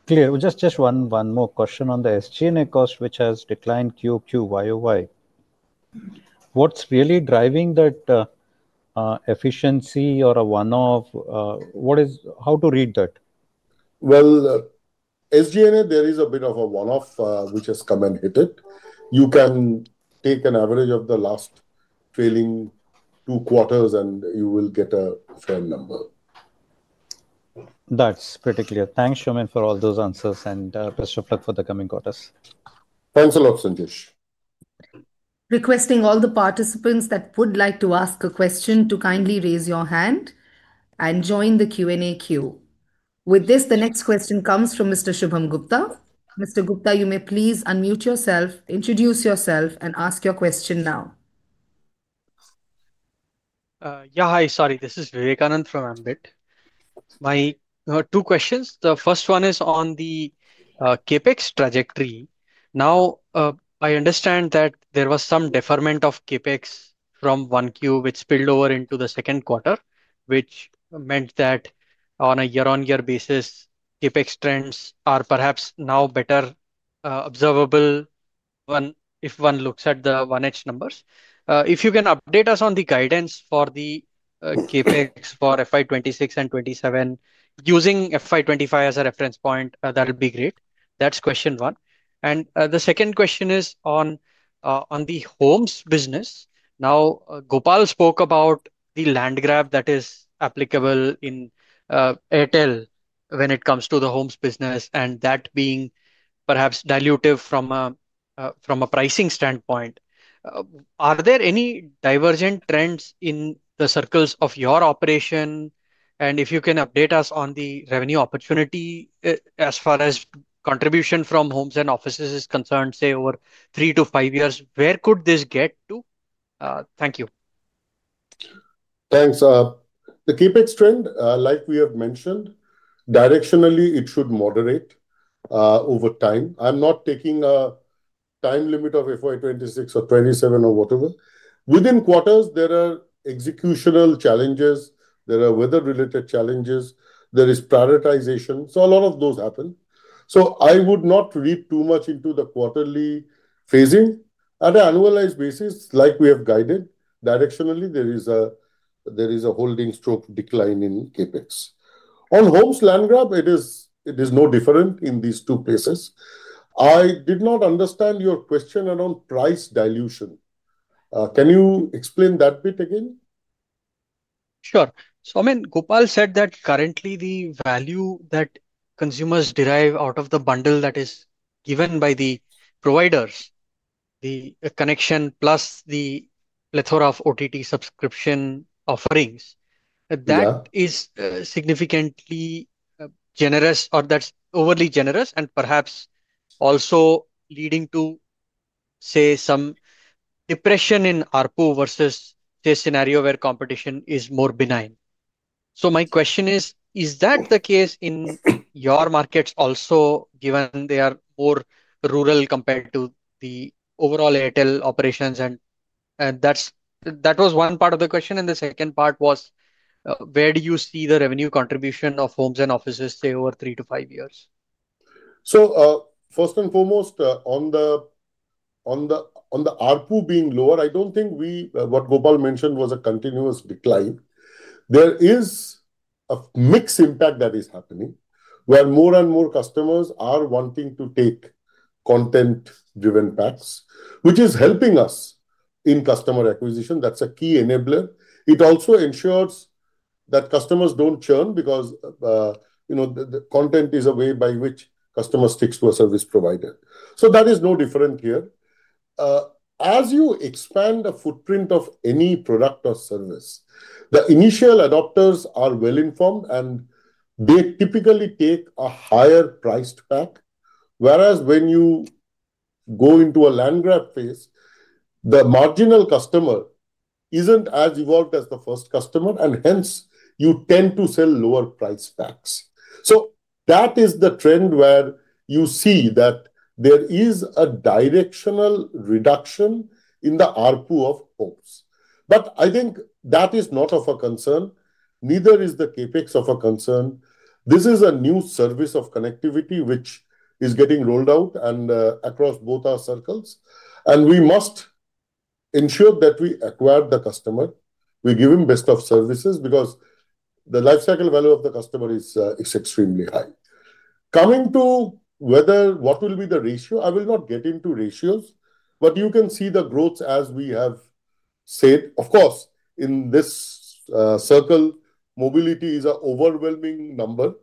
Clear. Just one more question on the SG&A cost, which has declined Q/Q, Y/Y. What's really driving that? Efficiency or a one-off? How to read that? SG&A, there is a bit of a one-off which has come and hit. You can take an average of the last trailing two quarters, and you will get a fair number. That's pretty clear. Thanks, Somin, for all those answers and best of luck for the coming quarters. Thanks a lot, Sanjesh. Requesting all the participants that would like to ask a question to kindly raise your hand and join the Q&A queue. With this, the next question comes from Mr. Shubham Gupta. Mr. Gupta, you may please unmute yourself, introduce yourself, and ask your question now. Yeah, hi. Sorry, this is Vivekanand from Ambit. My two questions. The first one is on the CapEx trajectory. I understand that there was some deferment of CapEx from one Q, which spilled over into the second quarter, which meant that on a year-on-year basis, CapEx trends are perhaps now better observable. If one looks at the 1H numbers, if you can update us on the guidance for the CapEx for FY2026 and FY2027, using FY2025 as a reference point, that would be great. That's question one. The second question is on the homes business. Gopal spoke about the land grab that is applicable in Airtel when it comes to the homes business and that being perhaps dilutive from a pricing standpoint. Are there any divergent trends in the circles of your operation? If you can update us on the revenue opportunity as far as contribution from homes and offices is concerned, say, over three to five years, where could this get to? Thank you. Thanks. The CapEx trend, like we have mentioned, directionally, it should moderate over time. I'm not taking a time limit of FY2026 or FY2027 or whatever. Within quarters, there are executional challenges. There are weather-related challenges. There is prioritization. A lot of those happen. I would not read too much into the quarterly phasing. At an annualized basis, like we have guided, directionally, there is a holding stroke decline in CapEx. On homes land grab, it is no different in these two places. I did not understand your question around price dilution. Can you explain that bit again? Sure. Somin, Gopal said that currently, the value that consumers derive out of the bundle that is given by the providers, the connection plus the plethora of OTT subscription offerings, that is significantly generous or that's overly generous and perhaps also leading to, say, some depression in output versus a scenario where competition is more benign. My question is, is that the case in your markets also, given they are more rural compared to the overall Airtel operations? That was one part of the question. The second part was, where do you see the revenue contribution of homes and offices, say, over three to five years? First and foremost, on the output being lower, I don't think what Gopal mentioned was a continuous decline. There is a mixed impact that is happening where more and more customers are wanting to take content-driven paths, which is helping us in customer acquisition. That's a key enabler. It also ensures that customers don't churn because the content is a way by which customers stick to a service provider. That is no different here. As you expand the footprint of any product or service, the initial adopters are well-informed, and they typically take a higher priced pack. Whereas when you go into a land grab phase, the marginal customer isn't as evolved as the first customer, and hence, you tend to sell lower price packs. That is the trend where you see that there is a directional reduction in the output of homes. I think that is not of a concern. Neither is the CapEx of a concern. This is a new service of connectivity, which is getting rolled out across both our circles. We must ensure that we acquire the customer, we give him best of services because the lifecycle value of the customer is extremely high. Coming to what will be the ratio, I will not get into ratios, but you can see the growth as we have said. Of course, in this circle, mobility is an overwhelming number.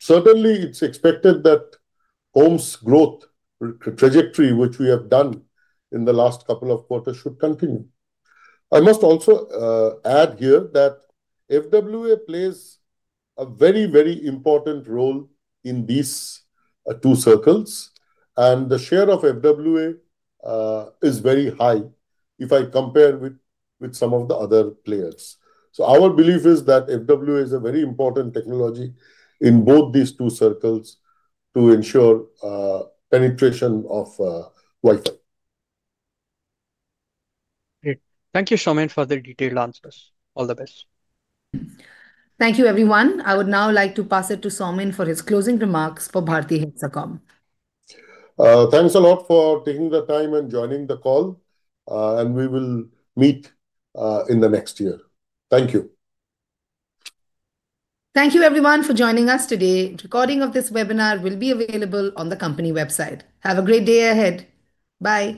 Certainly, it's expected that homes growth trajectory, which we have done in the last couple of quarters, should continue. I must also add here that FWA plays a very, very important role in these two circles. The share of FWA is very high if I compare with some of the other players. Our belief is that FWA is a very important technology in both these two circles to ensure penetration of Wi-Fi. Great. Thank you, Somin, for the detailed answers. All the best. Thank you, everyone. I would now like to pass it to Somin for his closing remarks for Bharti Hexacom. Thanks a lot for taking the time and joining the call. We will meet in the next year. Thank you. Thank you, everyone, for joining us today. Recording of this webinar will be available on the company website. Have a great day ahead. Bye.